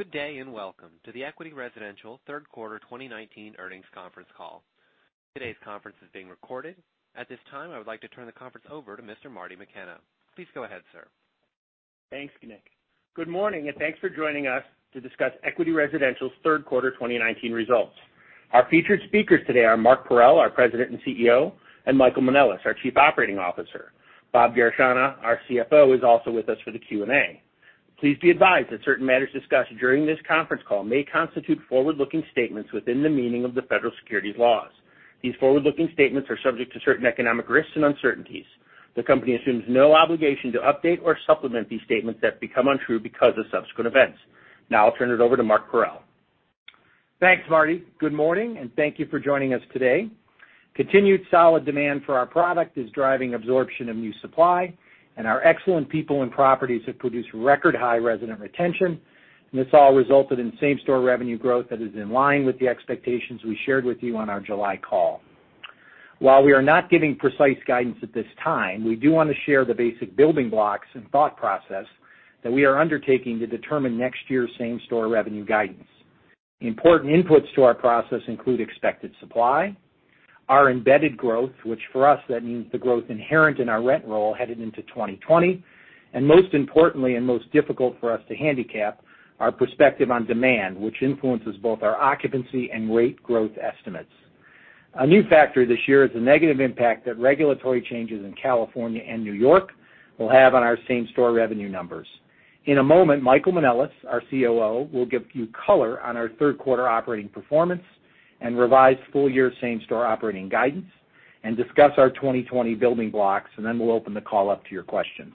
Good day, and welcome to the Equity Residential third quarter 2019 earnings conference call. Today's conference is being recorded. At this time, I would like to turn the conference over to Mr. Marty McKenna. Please go ahead, sir. Thanks, Nick. Good morning, and thanks for joining us to discuss Equity Residential's third quarter 2019 results. Our featured speakers today are Mark J. Parrell, our President and Chief Executive Officer, and Michael L. Manelis, our Chief Operating Officer. Robert A. Garechana, our CFO, is also with us for the Q&A. Please be advised that certain matters discussed during this conference call may constitute forward-looking statements within the meaning of the Federal Securities laws. These forward-looking statements are subject to certain economic risks and uncertainties. The company assumes no obligation to update or supplement these statements that become untrue because of subsequent events. Now, I'll turn it over to Mark J. Parrell. Thanks, Marty. Good morning, and thank you for joining us today. Continued solid demand for our product is driving absorption of new supply, and our excellent people and properties have produced record-high resident retention, and this all resulted in same-store revenue growth that is in line with the expectations we shared with you on our July call. While we are not giving precise guidance at this time, we do want to share the basic building blocks and thought process that we are undertaking to determine next year's same-store revenue guidance. The important inputs to our process include expected supply, our embedded growth, which for us, that means the growth inherent in our rent roll headed into 2020, and most importantly and most difficult for us to handicap, our perspective on demand, which influences both our occupancy and rate growth estimates. A new factor this year is the negative impact that regulatory changes in California and New York will have on our same-store revenue numbers. In a moment, Michael Manelis, our COO, will give you color on our third quarter operating performance and revised full-year same-store operating guidance and discuss our 2020 building blocks, then we'll open the call up to your questions.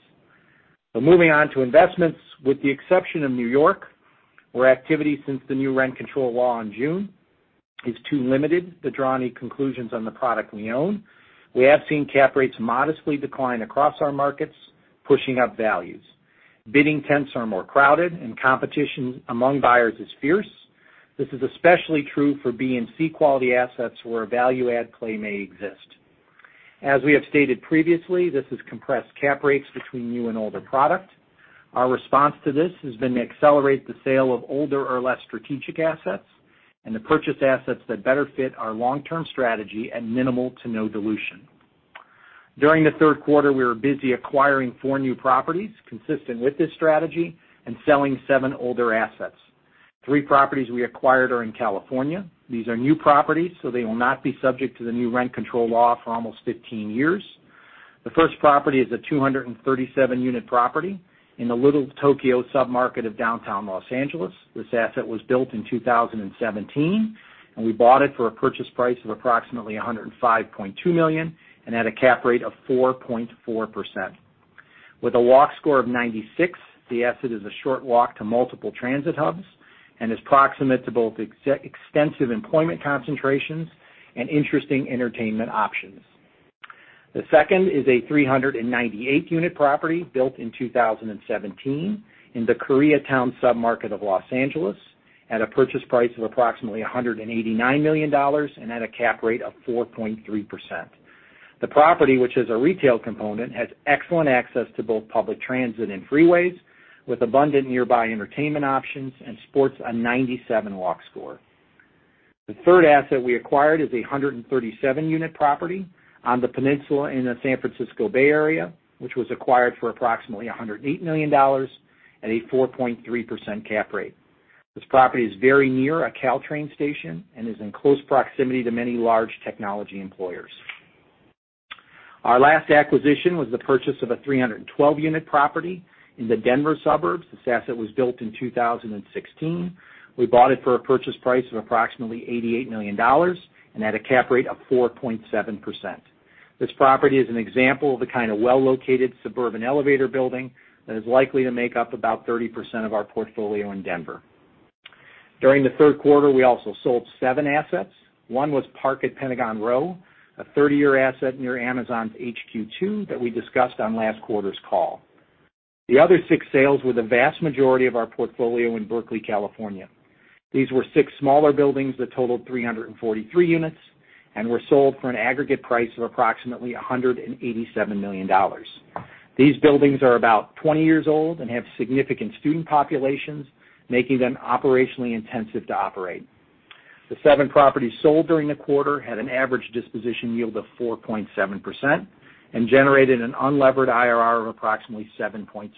Moving on to investments, with the exception of New York, where activity since the new rent control law in June is too limited to draw any conclusions on the product we own, we have seen cap rates modestly decline across our markets, pushing up values. Bidding tents are more crowded and competition among buyers is fierce. This is especially true for B and C quality assets where a value-add play may exist. As we have stated previously, this has compressed cap rates between new and older product. Our response to this has been to accelerate the sale of older or less strategic assets and to purchase assets that better fit our long-term strategy at minimal to no dilution. During the third quarter, we were busy acquiring four new properties consistent with this strategy and selling seven older assets. Three properties we acquired are in California. These are new properties, so they will not be subject to the new rent control law for almost 15 years. The first property is a 237-unit property in the Little Tokyo sub-market of downtown Los Angeles. This asset was built in 2017, and we bought it for a purchase price of approximately $105.2 million and at a cap rate of 4.4%. With a walk score of 96, the asset is a short walk to multiple transit hubs and is proximate to both extensive employment concentrations and interesting entertainment options. The second is a 398-unit property built in 2017 in the Koreatown sub-market of Los Angeles at a purchase price of approximately $189 million and at a cap rate of 4.3%. The property, which has a retail component, has excellent access to both public transit and freeways with abundant nearby entertainment options and sports a 97 walk score. The third asset we acquired is 137-unit property on the peninsula in the San Francisco Bay Area, which was acquired for approximately $108 million at a 4.3% cap rate. This property is very near a Caltrain station and is in close proximity to many large technology employers. Our last acquisition was the purchase of a 312-unit property in the Denver suburbs. This asset was built in 2016. We bought it for a purchase price of approximately $88 million and at a cap rate of 4.7%. This property is an example of the kind of well-located suburban elevator building that is likely to make up about 30% of our portfolio in Denver. During the third quarter, we also sold 7 assets. One was Park at Pentagon Row, a 30-year asset near Amazon's HQ2 that we discussed on last quarter's call. The other 6 sales were the vast majority of our portfolio in Berkeley, California. These were 6 smaller buildings that totaled 343 units and were sold for an aggregate price of approximately $187 million. These buildings are about 20 years old and have significant student populations, making them operationally intensive to operate. The seven properties sold during the quarter had an average disposition yield of 4.7% and generated an unlevered IRR of approximately 7.6%.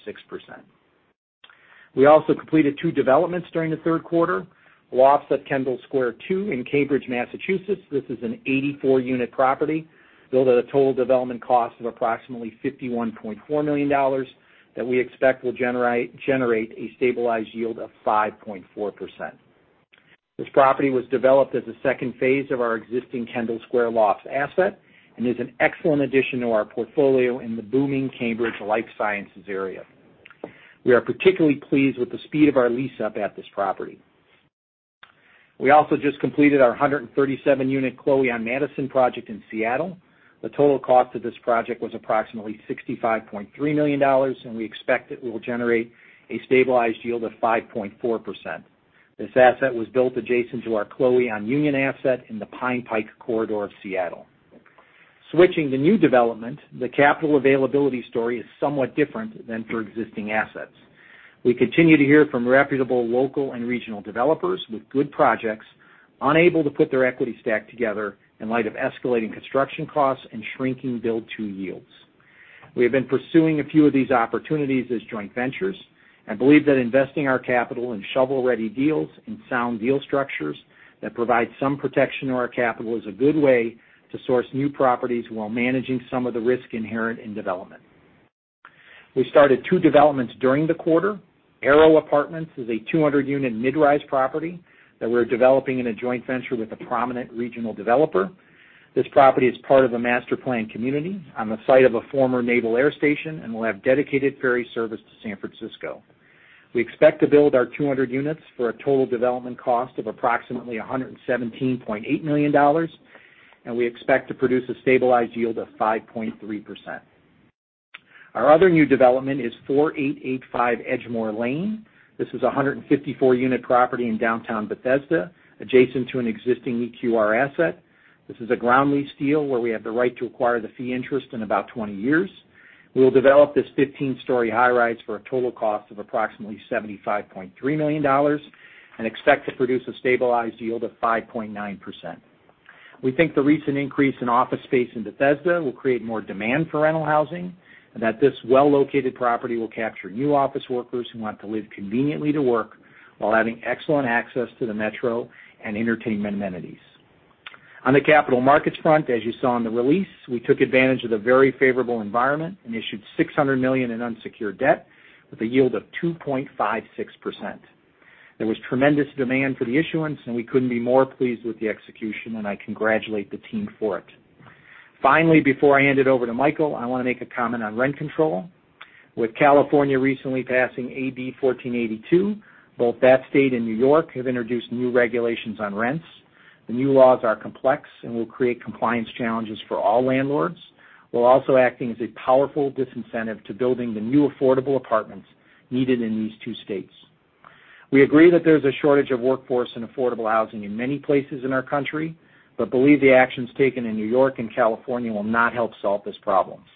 We also completed two developments during the third quarter. Lofts at Kendall Square II in Cambridge, Massachusetts. This is an 84-unit property built at a total development cost of approximately $51.4 million that we expect will generate a stabilized yield of 5.4%. This property was developed as a second phase of our existing Kendall Square Lofts asset and is an excellent addition to our portfolio in the booming Cambridge life sciences area. We are particularly pleased with the speed of our lease-up at this property. We also just completed our 137-unit Chloe on Madison project in Seattle. The total cost of this project was approximately $65.3 million, and we expect it will generate a stabilized yield of 5.4%. This asset was built adjacent to our Chloe on Union asset in the Pike/Pine Corridor of Seattle. Switching to new development, the capital availability story is somewhat different than for existing assets. We continue to hear from reputable local and regional developers with good projects, unable to put their equity stack together in light of escalating construction costs and shrinking build-to-yields. We have been pursuing a few of these opportunities as joint ventures and believe that investing our capital in shovel-ready deals and sound deal structures that provide some protection to our capital is a good way to source new properties while managing some of the risk inherent in development. We started two developments during the quarter. Aero Apartments is a 200-unit mid-rise property that we're developing in a joint venture with a prominent regional developer. This property is part of a master-planned community on the site of a former Naval Air Station and will have dedicated ferry service to San Francisco. We expect to build our 200 units for a total development cost of approximately $117.8 million, and we expect to produce a stabilized yield of 5.3%. Our other new development is 4885 Edgemoor Lane. This is a 154-unit property in downtown Bethesda, adjacent to an existing EQR asset. This is a ground lease deal where we have the right to acquire the fee interest in about 20 years. We'll develop this 15-story high-rise for a total cost of approximately $75.3 million and expect to produce a stabilized yield of 5.9%. We think the recent increase in office space in Bethesda will create more demand for rental housing, and that this well-located property will capture new office workers who want to live conveniently to work while having excellent access to the Metro and entertainment amenities. On the capital markets front, as you saw in the release, we took advantage of the very favorable environment and issued $600 million in unsecured debt with a yield of 2.56%. There was tremendous demand for the issuance, and we couldn't be more pleased with the execution, and I congratulate the team for it. Finally, before I hand it over to Michael, I want to make a comment on rent control. With California recently passing AB 1482, both that state and New York have introduced new regulations on rents. The new laws are complex and will create compliance challenges for all landlords, while also acting as a powerful disincentive to building the new affordable apartments needed in these two states. We agree that there's a shortage of workforce and affordable housing in many places in our country, but believe the actions taken in New York and California will not help solve these problems.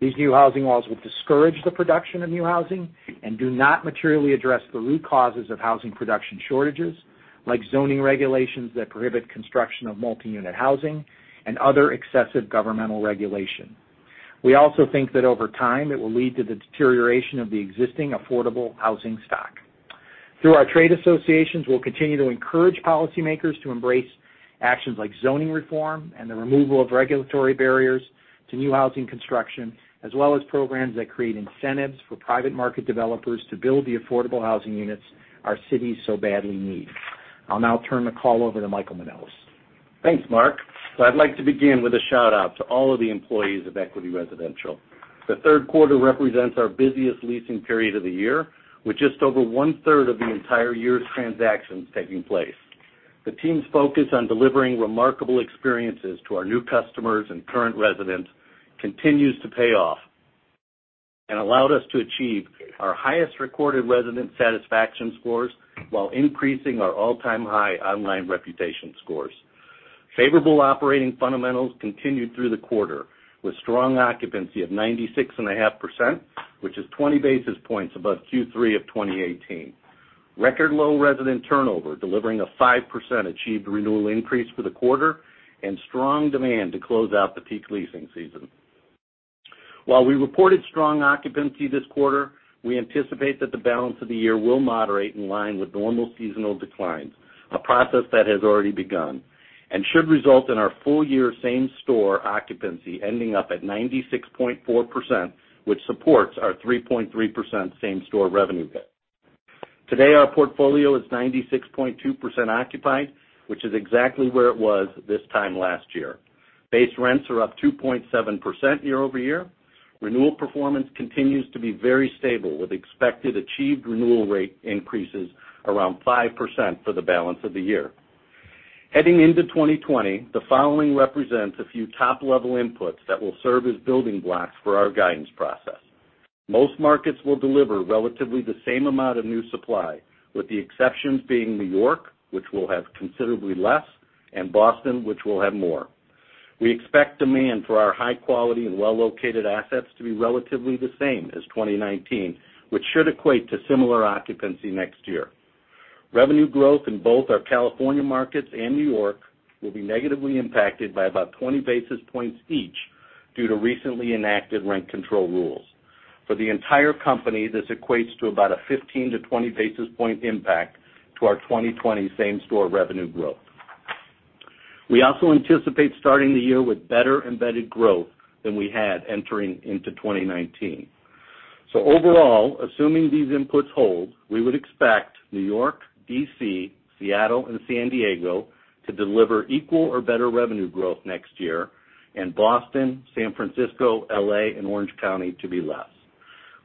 These new housing laws will discourage the production of new housing and do not materially address the root causes of housing production shortages, like zoning regulations that prohibit construction of multi-unit housing and other excessive governmental regulation. We also think that over time, it will lead to the deterioration of the existing affordable housing stock. Through our trade associations, we'll continue to encourage policymakers to embrace actions like zoning reform and the removal of regulatory barriers to new housing construction, as well as programs that create incentives for private market developers to build the affordable housing units our cities so badly need. I'll now turn the call over to Michael Manelis. Thanks, Mark. I'd like to begin with a shout-out to all of the employees of Equity Residential. The third quarter represents our busiest leasing period of the year, with just over one-third of the entire year's transactions taking place. The team's focus on delivering remarkable experiences to our new customers and current residents continues to pay off and allowed us to achieve our highest recorded resident satisfaction scores while increasing our all-time high online reputation scores. Favorable operating fundamentals continued through the quarter with strong occupancy of 96.5%, which is 20 basis points above Q3 of 2018. Record low resident turnover, delivering a 5% achieved renewal increase for the quarter, and strong demand to close out the peak leasing season. While we reported strong occupancy this quarter, we anticipate that the balance of the year will moderate in line with normal seasonal declines, a process that has already begun and should result in our full-year same-store occupancy ending up at 96.4%, which supports our 3.3% same-store revenue growth. Today, our portfolio is 96.2% occupied, which is exactly where it was this time last year. Base rents are up 2.7% year-over-year. Renewal performance continues to be very stable, with expected achieved renewal rate increases around 5% for the balance of the year. Heading into 2020, the following represents a few top-level inputs that will serve as building blocks for our guidance process. Most markets will deliver relatively the same amount of new supply, with the exceptions being New York, which will have considerably less, and Boston, which will have more. We expect demand for our high-quality and well-located assets to be relatively the same as 2019, which should equate to similar occupancy next year. Revenue growth in both our California markets and New York will be negatively impacted by about 20 basis points each due to recently enacted rent control rules. For the entire company, this equates to about a 15 to 20 basis point impact to our 2020 same-store revenue growth. We also anticipate starting the year with better embedded growth than we had entering into 2019. Overall, assuming these inputs hold, we would expect New York, D.C., Seattle, and San Diego to deliver equal or better revenue growth next year, and Boston, San Francisco, L.A., and Orange County to be less.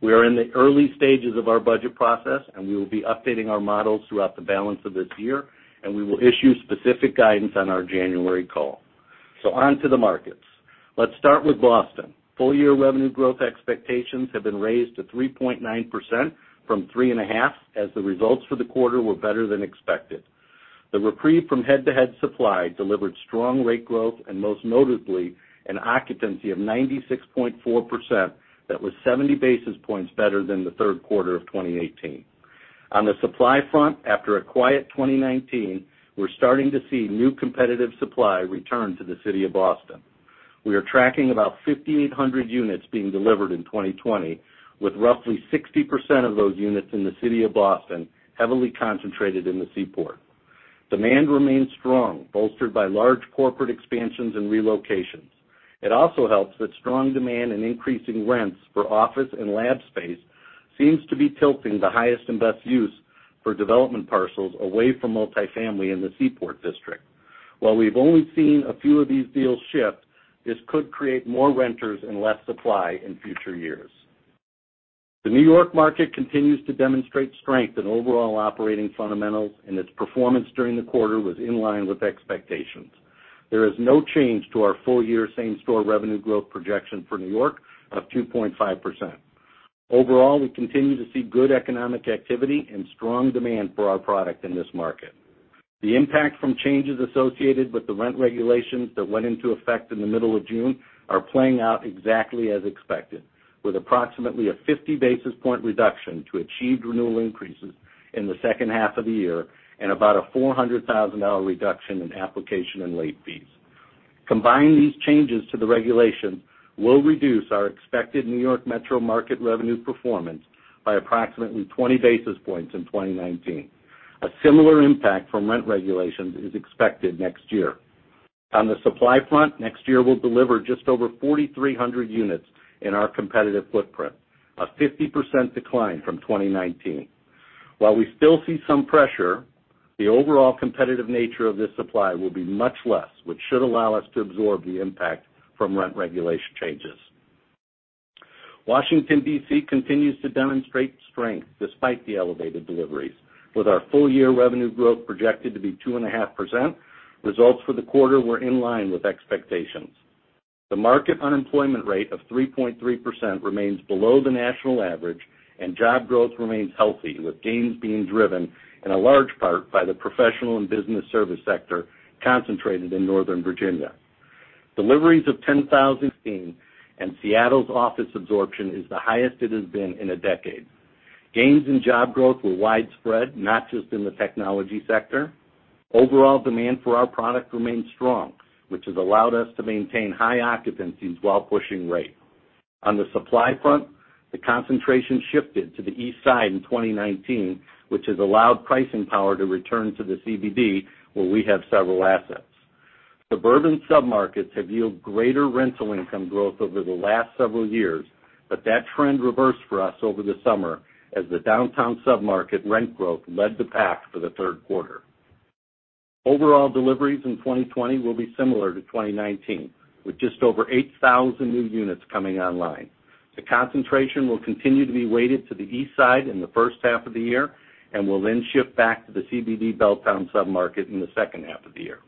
We are in the early stages of our budget process, and we will be updating our models throughout the balance of this year, and we will issue specific guidance on our January call. On to the markets. Let's start with Boston. Full-year revenue growth expectations have been raised to 3.9% from 3.5% as the results for the quarter were better than expected. The reprieve from head-to-head supply delivered strong rate growth, and most notably, an occupancy of 96.4%, that was 70 basis points better than the third quarter of 2018. On the supply front, after a quiet 2019, we are starting to see new competitive supply return to the city of Boston. We are tracking about 5,800 units being delivered in 2020, with roughly 60% of those units in the city of Boston, heavily concentrated in the Seaport. Demand remains strong, bolstered by large corporate expansions and relocations. It also helps that strong demand and increasing rents for office and lab space seems to be tilting the highest and best use for development parcels away from multi-family in the Seaport District. While we've only seen a few of these deals shift, this could create more renters and less supply in future years. The New York market continues to demonstrate strength in overall operating fundamentals, and its performance during the quarter was in line with expectations. There is no change to our full year same-store revenue growth projection for New York of 2.5%. Overall, we continue to see good economic activity and strong demand for our product in this market. The impact from changes associated with the rent regulations that went into effect in the middle of June are playing out exactly as expected, with approximately a 50-basis point reduction to achieved renewal increases in the second half of the year and about a $400,000 reduction in application and late fees. Combined, these changes to the regulation will reduce our expected New York metro market revenue performance by approximately 20 basis points in 2019. A similar impact from rent regulations is expected next year. On the supply front, next year we'll deliver just over 4,300 units in our competitive footprint, a 50% decline from 2019. While we still see some pressure, the overall competitive nature of this supply will be much less, which should allow us to absorb the impact from rent regulation changes. Washington, D.C. continues to demonstrate strength despite the elevated deliveries, with our full-year revenue growth projected to be 2.5%. Results for the quarter were in line with expectations. The market unemployment rate of 3.3% remains below the national average, and job growth remains healthy, with gains being driven in a large part by the professional and business service sector concentrated in Northern Virginia. Deliveries of 10,000 seen, and Seattle's office absorption is the highest it has been in a decade. Gains in job growth were widespread, not just in the technology sector. Overall demand for our product remains strong, which has allowed us to maintain high occupancies while pushing rate. On the supply front, the concentration shifted to the East Side in 2019, which has allowed pricing power to return to the CBD, where we have several assets. Suburban submarkets have yielded greater rental income growth over the last several years, but that trend reversed for us over the summer as the downtown submarket rent growth led the pack for the third quarter. Overall deliveries in 2020 will be similar to 2019, with just over 8,000 new units coming online. The concentration will continue to be weighted to the East Side in the first half of the year and will then shift back to the CBD Belltown submarket in the second half of the year.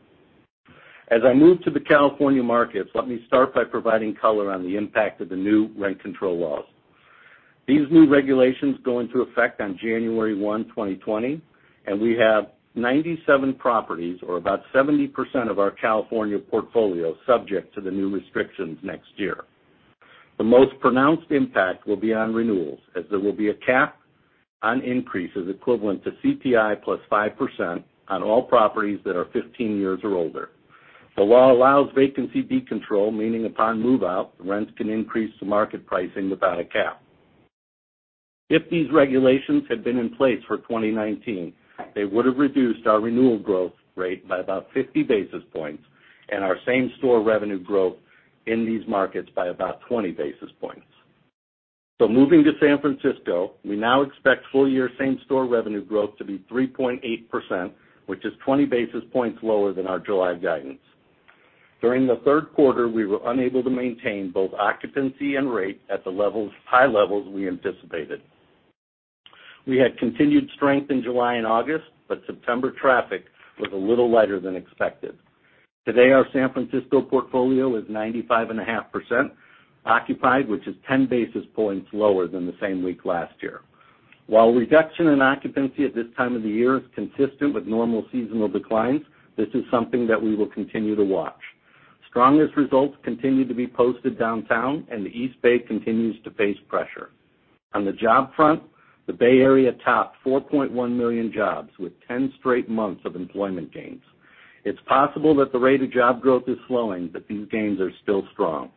As I move to the California markets, let me start by providing color on the impact of the new rent control laws. These new regulations go into effect on January 1, 2020, and we have 97 properties, or about 70% of our California portfolio, subject to the new restrictions next year. The most pronounced impact will be on renewals, as there will be a cap on increases equivalent to CPI plus 5% on all properties that are 15 years or older. The law allows vacancy decontrol, meaning upon move-out, the rents can increase to market pricing without a cap. If these regulations had been in place for 2019, they would have reduced our renewal growth rate by about 50 basis points and our same-store revenue growth in these markets by about 20 basis points. Moving to San Francisco, we now expect full-year same-store revenue growth to be 3.8%, which is 20 basis points lower than our July guidance. During the third quarter, we were unable to maintain both occupancy and rate at the high levels we anticipated. We had continued strength in July and August, but September traffic was a little lighter than expected. Today, our San Francisco portfolio is 95.5% occupied, which is 10 basis points lower than the same week last year. While reduction in occupancy at this time of the year is consistent with normal seasonal declines, this is something that we will continue to watch. Strongest results continue to be posted downtown, and the East Bay continues to face pressure. On the job front, the Bay Area topped 4.1 million jobs with 10 straight months of employment gains. It's possible that the rate of job growth is slowing, but these gains are still strong.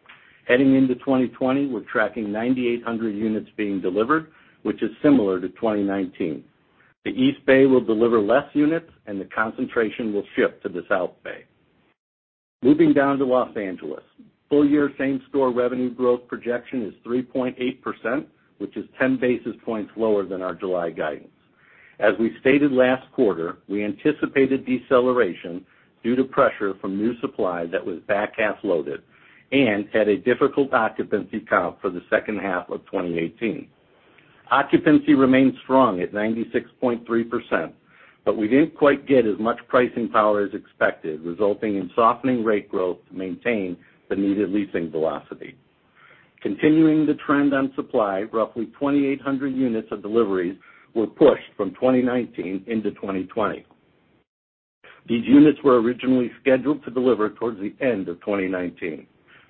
Heading into 2020, we're tracking 9,800 units being delivered, which is similar to 2019. The East Bay will deliver less units, and the concentration will shift to the South Bay. Moving down to Los Angeles, full-year same-store revenue growth projection is 3.8%, which is 10 basis points lower than our July guidance. As we stated last quarter, we anticipated deceleration due to pressure from new supply that was back-half loaded and had a difficult occupancy comp for the second half of 2018. Occupancy remains strong at 96.3%, but we didn't quite get as much pricing power as expected, resulting in softening rate growth to maintain the needed leasing velocity. Continuing the trend on supply, roughly 2,800 units of deliveries were pushed from 2019 into 2020. These units were originally scheduled to deliver towards the end of 2019,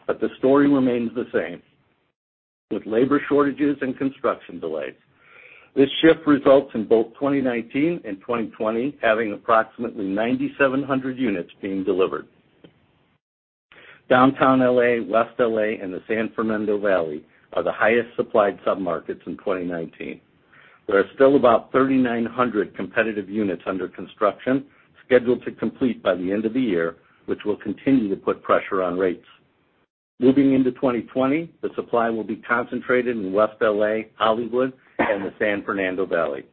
but the story remains the same, with labor shortages and construction delays. This shift results in both 2019 and 2020 having approximately 9,700 units being delivered. Downtown L.A., West L.A., and the San Fernando Valley are the highest supplied sub-markets in 2019. There are still about 3,900 competitive units under construction, scheduled to complete by the end of the year, which will continue to put pressure on rates. Moving into 2020, the supply will be concentrated in West L.A., Hollywood, and the San Fernando Valley.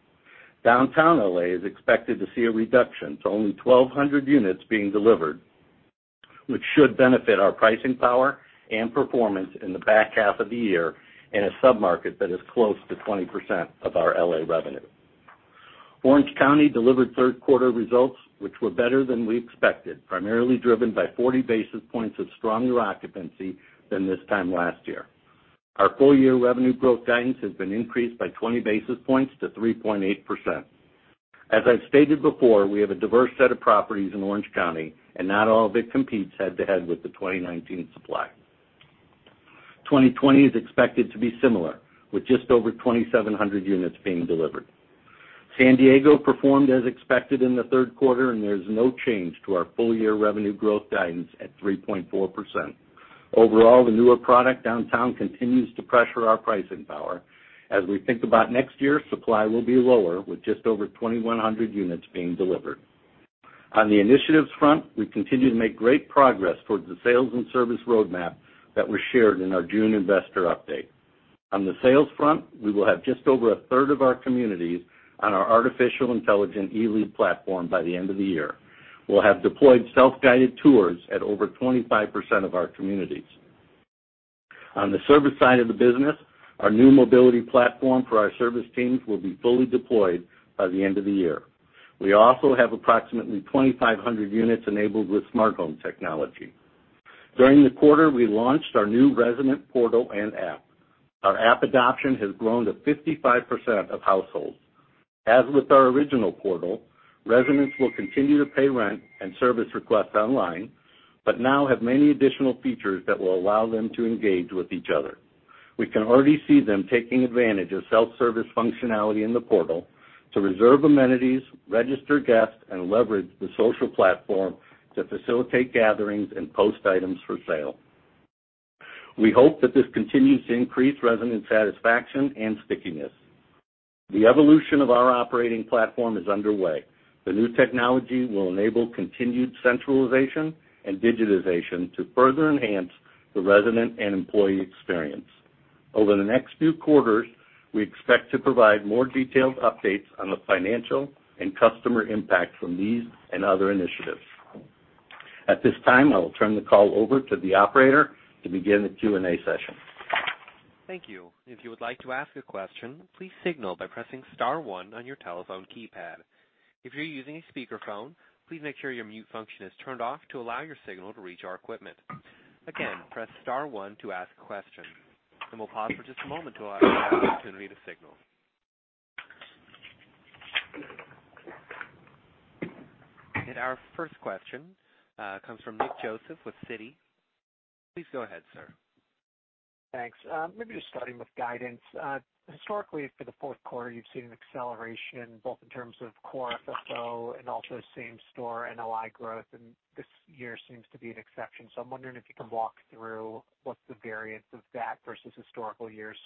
Downtown L.A. is expected to see a reduction to only 1,200 units being delivered, which should benefit our pricing power and performance in the back half of the year in a sub-market that is close to 20% of our L.A. revenue. Orange County delivered third quarter results which were better than we expected, primarily driven by 40 basis points of stronger occupancy than this time last year. Our full-year revenue growth guidance has been increased by 20 basis points to 3.8%. As I've stated before, we have a diverse set of properties in Orange County, and not all of it competes head-to-head with the 2019 supply. 2020 is expected to be similar, with just over 2,700 units being delivered. San Diego performed as expected in the third quarter, and there's no change to our full-year revenue growth guidance at 3.4%. Overall, the newer product downtown continues to pressure our pricing power. As we think about next year, supply will be lower, with just over 2,100 units being delivered. On the initiatives front, we continue to make great progress towards the sales and service roadmap that was shared in our June investor update. On the sales front, we will have just over a third of our communities on our artificial intelligent Elead platform by the end of the year. We'll have deployed self-guided tours at over 25% of our communities. On the service side of the business, our new mobility platform for our service teams will be fully deployed by the end of the year. We also have approximately 2,500 units enabled with smart home technology. During the quarter, we launched our new resident portal and app. Our app adoption has grown to 55% of households. As with our original portal, residents will continue to pay rent and service requests online, but now have many additional features that will allow them to engage with each other. We can already see them taking advantage of self-service functionality in the portal to reserve amenities, register guests, and leverage the social platform to facilitate gatherings and post items for sale. We hope that this continues to increase resident satisfaction and stickiness. The evolution of our operating platform is underway. The new technology will enable continued centralization and digitization to further enhance the resident and employee experience. Over the next few quarters, we expect to provide more detailed updates on the financial and customer impact from these and other initiatives. At this time, I will turn the call over to the operator to begin the Q&A session. Thank you. If you would like to ask a question, please signal by pressing *1 on your telephone keypad. If you're using a speakerphone, please make sure your mute function is turned off to allow your signal to reach our equipment. Again, press *1 to ask a question. We'll pause for just a moment to allow everyone an opportunity to signal. Our first question comes from Nicholas Joseph with Citi. Please go ahead, sir. Thanks. Maybe just starting with guidance. Historically, for the fourth quarter, you've seen an acceleration both in terms of core FFO and also same-store NOI growth, and this year seems to be an exception. I'm wondering if you can walk through what's the variance of that versus historical years.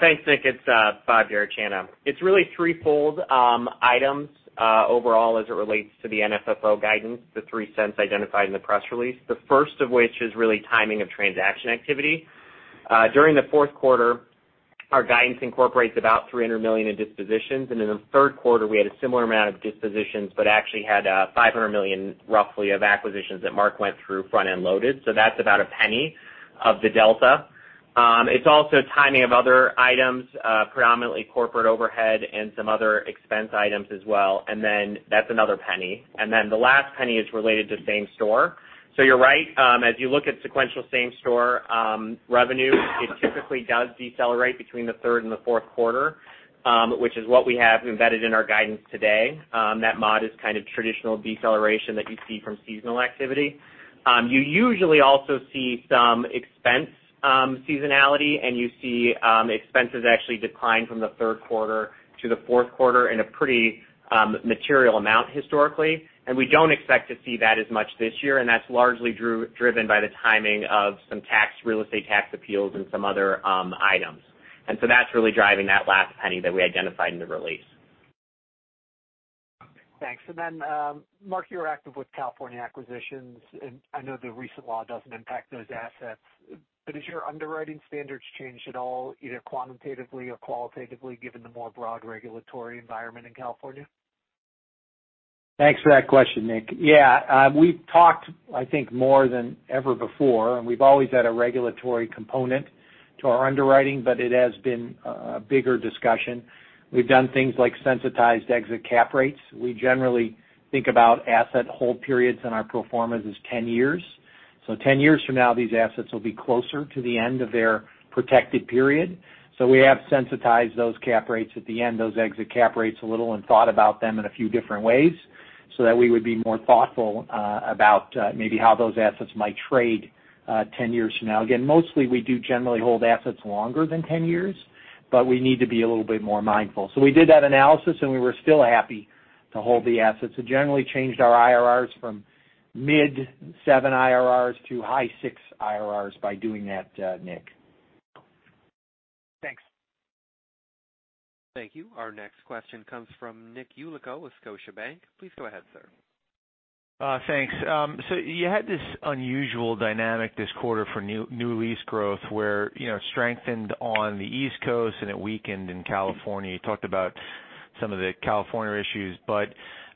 Thanks, Nick. It is Bob Garechana. It is really threefold items overall as it relates to the NFFO guidance, the $0.03 identified in the press release. The first of which is really timing of transaction activity. During the fourth quarter, our guidance incorporates about $300 million in dispositions. In the third quarter, we had a similar amount of dispositions, actually had $500 million, roughly, of acquisitions that Mark went through front-end loaded. That is about a $0.01 of the delta. It is also timing of other items, predominantly corporate overhead and some other expense items as well. That is another $0.01. The last $0.01 is related to same store. You are right, as you look at sequential same-store revenue, it typically does decelerate between the third and the fourth quarter, which is what we have embedded in our guidance today. That mod is kind of traditional deceleration that you see from seasonal activity. You usually also see some expense seasonality, you see expenses actually decline from the third quarter to the fourth quarter in a pretty material amount historically. We don't expect to see that as much this year, that's largely driven by the timing of some real estate tax appeals and some other items. That's really driving that last penny that we identified in the release. Thanks. Mark, you're active with California acquisitions, and I know the recent law doesn't impact those assets, but has your underwriting standards changed at all, either quantitatively or qualitatively, given the more broad regulatory environment in California? Thanks for that question, Nick. Yeah. We've talked, I think, more than ever before, and we've always had a regulatory component to our underwriting, but it has been a bigger discussion. We've done things like sensitized exit cap rates. We generally think about asset hold periods in our pro formas as 10 years. 10 years from now, these assets will be closer to the end of their protected period. We have sensitized those cap rates at the end, those exit cap rates a little, and thought about them in a few different ways so that we would be more thoughtful about maybe how those assets might trade 10 years from now. Again, mostly we do generally hold assets longer than 10 years, but we need to be a little bit more mindful. We did that analysis, and we were still happy to hold the assets, so generally changed our IRRs from mid 7 IRRs to high 6 IRRs by doing that, Nick. Thanks. Thank you. Our next question comes from Nicholas Yulico with Scotiabank. Please go ahead, sir. Thanks. You had this unusual dynamic this quarter for new lease growth where it strengthened on the East Coast and it weakened in California. You talked about some of the California issues, but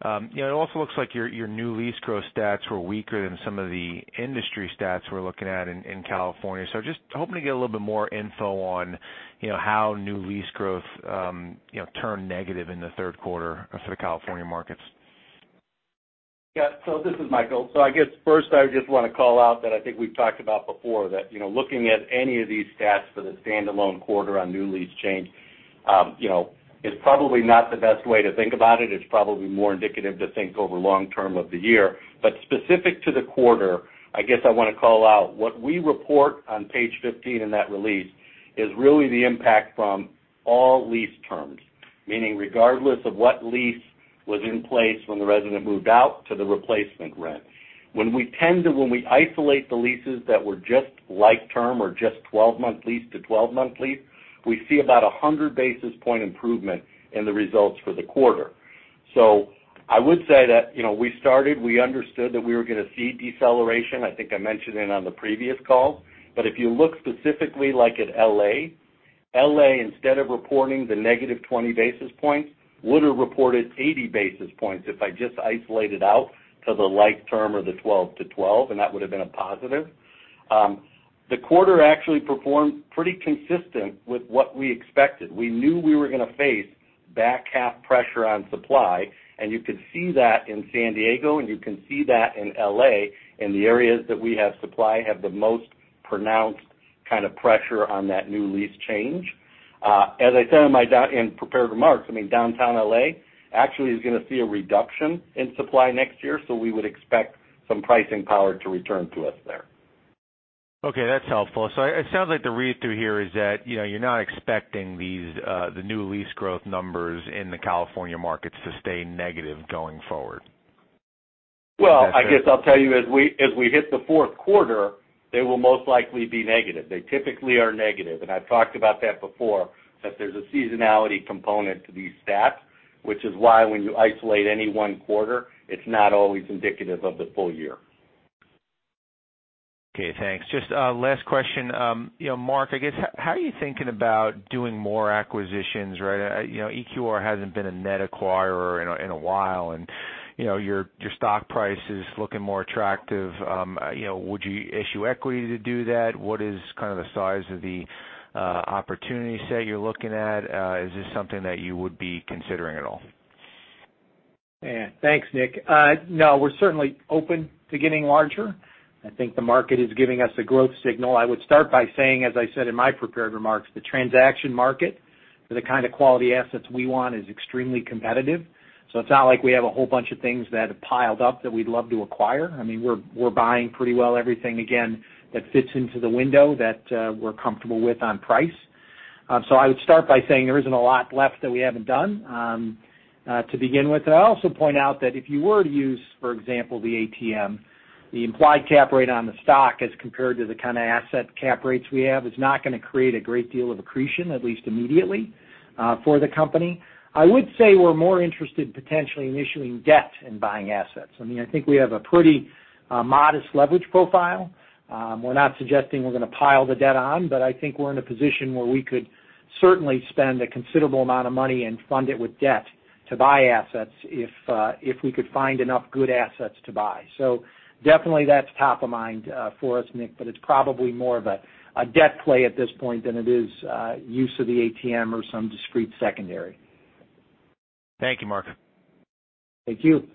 it also looks like your new lease growth stats were weaker than some of the industry stats we're looking at in California. Just hoping to get a little bit more info on how new lease growth turned negative in the third quarter for the California markets. Yeah. This is Michael. I guess first I just want to call out that I think we've talked about before, that looking at any of these stats for the standalone quarter on new lease change is probably not the best way to think about it. It's probably more indicative to think over long-term of the year. Specific to the quarter, I guess I want to call out what we report on page 15 in that release is really the impact from all lease terms, meaning regardless of what lease was in place when the resident moved out to the replacement rent. When we isolate the leases that were just like-term or just 12-month lease to 12-month lease, we see about 100-basis point improvement in the results for the quarter. I would say that we understood that we were going to see deceleration, I think I mentioned it on the previous call. If you look specifically like at L.A., L.A., instead of reporting the negative 20 basis points, would've reported 80 basis points if I just isolated out to the like-term or the 12 to 12, and that would've been a positive. The quarter actually performed pretty consistent with what we expected. We knew we were going to face back-half pressure on supply, and you could see that in San Diego and you can see that in L.A., in the areas that we have supply, have the most pronounced kind of pressure on that new lease change. As I said in my prepared remarks, downtown L.A. actually is going to see a reduction in supply next year, so we would expect some pricing power to return to us there. Okay, that's helpful. It sounds like the read-through here is that you're not expecting the new lease growth numbers in the California markets to stay negative going forward. Well, I guess I'll tell you, as we hit the fourth quarter, they will most likely be negative. They typically are negative, and I've talked about that before, that there's a seasonality component to these stats, which is why when you isolate any one quarter, it's not always indicative of the full year. Okay, thanks. Just last question. Mark, I guess, how are you thinking about doing more acquisitions? EQR hasn't been a net acquirer in a while, and your stock price is looking more attractive. Would you issue equity to do that? What is kind of the size of the opportunity set you're looking at? Is this something that you would be considering at all? Yeah. Thanks, Nick. No, we're certainly open to getting larger. I think the market is giving us a growth signal. I would start by saying, as I said in my prepared remarks, the transaction market for the kind of quality assets we want is extremely competitive. It's not like we have a whole bunch of things that have piled up that we'd love to acquire. We're buying pretty well everything, again, that fits into the window that we're comfortable with on price. I would start by saying there isn't a lot left that we haven't done to begin with. I'd also point out that if you were to use, for example, the ATM, the implied cap rate on the stock as compared to the kind of asset cap rates we have, is not going to create a great deal of accretion, at least immediately, for the company. I would say we're more interested potentially in issuing debt and buying assets. I think we have a pretty modest leverage profile. We're not suggesting we're going to pile the debt on, but I think we're in a position where we could certainly spend a considerable amount of money and fund it with debt to buy assets if we could find enough good assets to buy. Definitely that's top of mind for us, Nick, but it's probably more of a debt play at this point than it is use of the ATM or some discrete secondary. Thank you, Mark. Thank you.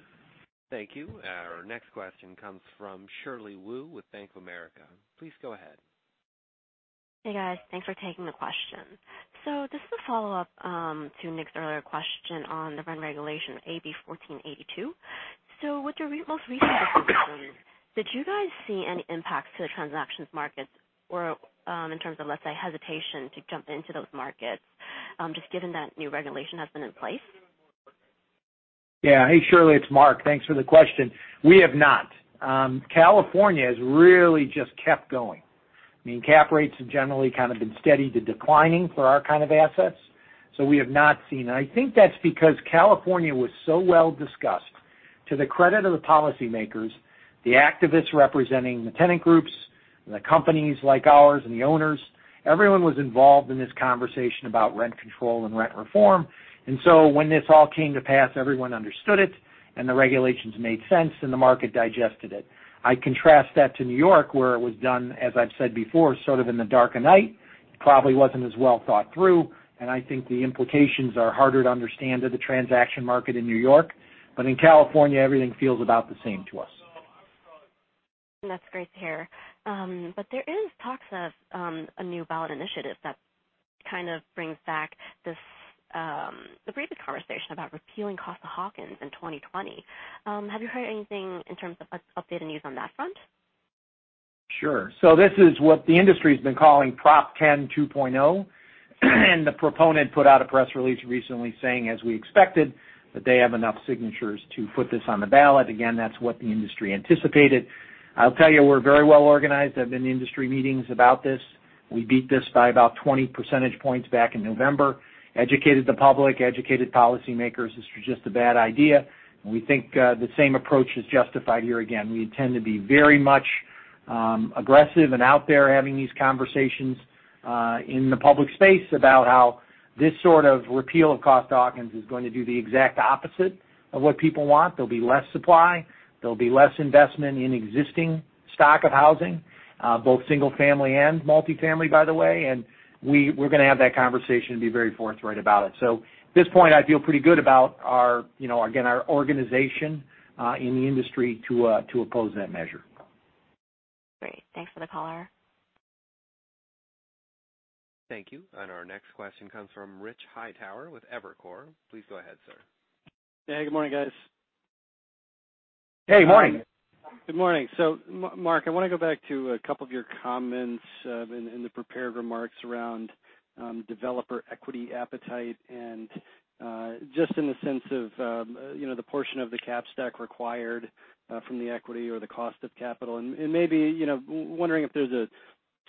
Thank you. Our next question comes from Shirley Wu with Bank of America. Please go ahead. Hey, guys. Thanks for taking the question. Just a follow-up to Nick's earlier question on the rent regulation AB 1482. With your most recent disclosure, did you guys see any impact to the transactions markets or in terms of, let's say, hesitation to jump into those markets, just given that new regulation has been in place? Yeah. Hey, Shirley, it's Mark. Thanks for the question. We have not. California has really just kept going. Cap rates have generally kind of been steady to declining for our kind of assets, so we have not seen. I think that's because California was so well-discussed. To the credit of the policymakers, the activists representing the tenant groups, and the companies like ours and the owners, everyone was involved in this conversation about rent control and rent reform. When this all came to pass, everyone understood it, and the regulations made sense, and the market digested it. I contrast that to New York, where it was done, as I've said before, sort of in the dark of night. It probably wasn't as well thought through, and I think the implications are harder to understand than the transaction market in New York. In California, everything feels about the same to us. That's great to hear. There is talks of a new ballot initiative that kind of brings back the previous conversation about repealing Costa-Hawkins in 2020. Have you heard anything in terms of updated news on that front? Sure. This is what the industry's been calling Prop 10 2.0. The proponent put out a press release recently saying, as we expected, that they have enough signatures to put this on the ballot. Again, that's what the industry anticipated. I'll tell you, we're very well-organized. I've been to industry meetings about this. We beat this by about 20 percentage points back in November, educated the public, educated policymakers this was just a bad idea, and we think the same approach is justified here again. We intend to be very much aggressive and out there having these conversations in the public space about how this sort of repeal of Costa-Hawkins is going to do the exact opposite of what people want. There'll be less supply, there'll be less investment in existing stock of housing, both single-family and multi-family, by the way. We're going to have that conversation and be very forthright about it. At this point, I feel pretty good about our organization in the industry to oppose that measure. Great. Thanks for the color. Thank you. Our next question comes from Rich Hightower with Evercore. Please go ahead, sir. Yeah, good morning, guys. Hey, morning. Good morning. Mark, I want to go back to a couple of your comments in the prepared remarks around developer equity appetite, and just in the sense of the portion of the cap stack required from the equity or the cost of capital. Maybe wondering if there's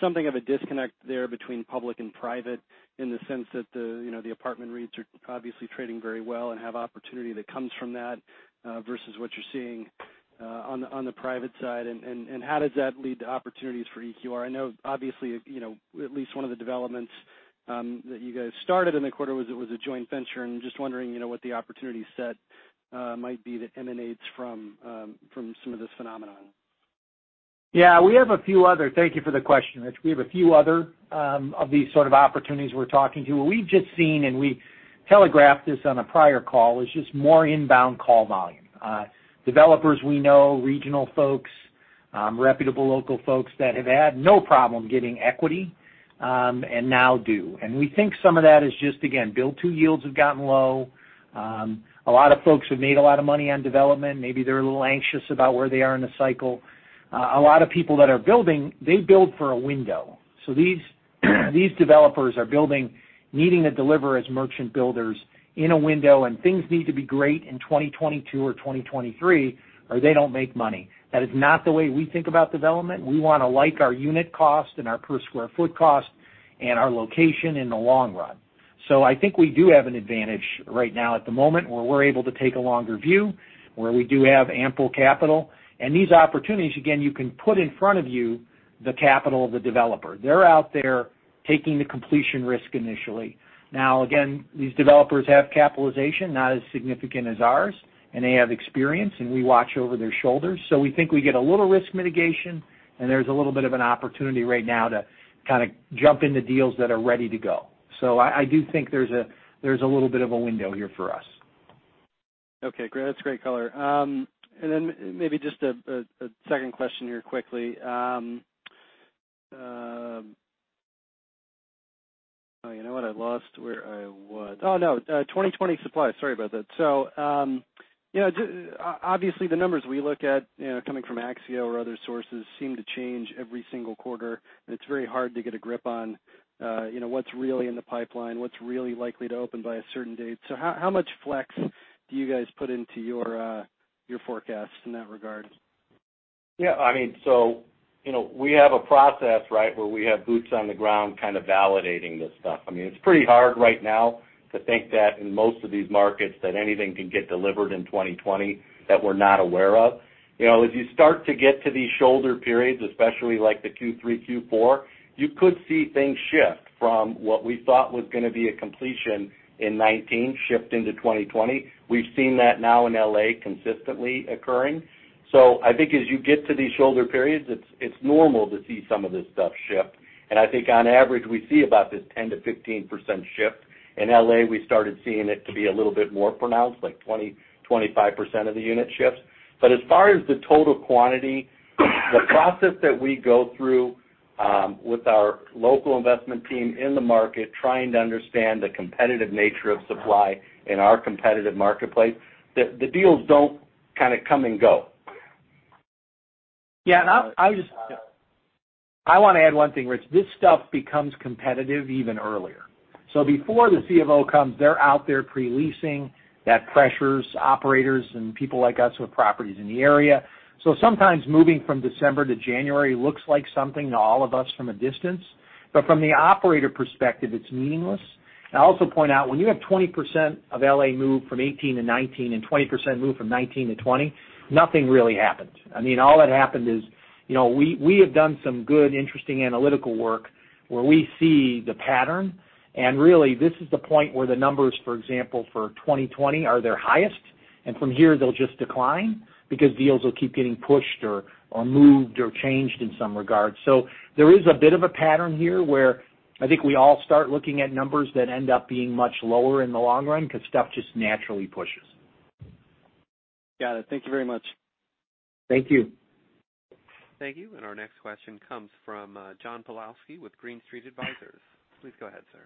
something of a disconnect there between public and private in the sense that the apartment rates are obviously trading very well and have opportunity that comes from that, versus what you're seeing on the private side, and how does that lead to opportunities for EQR? I know obviously, at least one of the developments that you guys started in the quarter was a joint venture, and just wondering what the opportunity set might be that emanates from some of this phenomenon. Thank you for the question, Rich. We have a few other of these sort of opportunities we're talking to. What we've just seen, and we telegraphed this on a prior call, is just more inbound call volume. Developers we know, regional folks, reputable local folks that have had no problem getting equity, and now do. We think some of that is just, again, build-to yields have gotten low. A lot of folks have made a lot of money on development. Maybe they're a little anxious about where they are in the cycle. A lot of people that are building, they build for a window. These developers are building, needing to deliver as merchant builders in a window, and things need to be great in 2022 or 2023, or they don't make money. That is not the way we think about development. We want to like our unit cost and our per square foot cost and our location in the long run. I think we do have an advantage right now at the moment where we're able to take a longer view, where we do have ample capital. These opportunities, again, you can put in front of you the capital of the developer. They're out there taking the completion risk initially. Now, again, these developers have capitalization, not as significant as ours, and they have experience, and we watch over their shoulders. We think we get a little risk mitigation, and there's a little bit of an opportunity right now to kind of jump into deals that are ready to go. I do think there's a little bit of a window here for us. Okay, great. That's great color. Then maybe just a second question here quickly. You know what? I lost where I was. Oh, no. 2020 supply. Sorry about that. Obviously, the numbers we look at coming from Axiometrics or other sources seem to change every single quarter, and it's very hard to get a grip on what's really in the pipeline, what's really likely to open by a certain date. How much flex do you guys put into your forecasts in that regard? We have a process where we have boots on the ground kind of validating this stuff. It's pretty hard right now to think that in most of these markets that anything can get delivered in 2020 that we're not aware of. As you start to get to these shoulder periods, especially like the Q3, Q4, you could see things shift from what we thought was going to be a completion in 2019 shift into 2020. We've seen that now in L.A. consistently occurring. I think as you get to these shoulder periods, it's normal to see some of this stuff shift. I think on average, we see about this 10%-15% shift. In L.A., we started seeing it to be a little bit more pronounced, like 20%, 25% of the unit shifts. As far as the total quantity, the process that we go through with our local investment team in the market, trying to understand the competitive nature of supply in our competitive marketplace, the deals don't kind of come and go. Yeah, I want to add one thing, Rich. This stuff becomes competitive even earlier. Before the CFO comes, they're out there pre-leasing. That pressures operators and people like us who have properties in the area. Sometimes moving from December to January looks like something to all of us from a distance. From the operator perspective, it's meaningless. I also point out, when you have 20% of L.A. move from 2018 to 2019 and 20% move from 2019 to 2020, nothing really happens. All that happened is we have done some good, interesting analytical work where we see the pattern, and really, this is the point where the numbers, for example, for 2020, are their highest. From here, they'll just decline because deals will keep getting pushed or moved or changed in some regard. There is a bit of a pattern here where I think we all start looking at numbers that end up being much lower in the long run because stuff just naturally pushes. Got it. Thank you very much. Thank you. Thank you. Our next question comes from John Pawlowski with Green Street Advisors. Please go ahead, sir.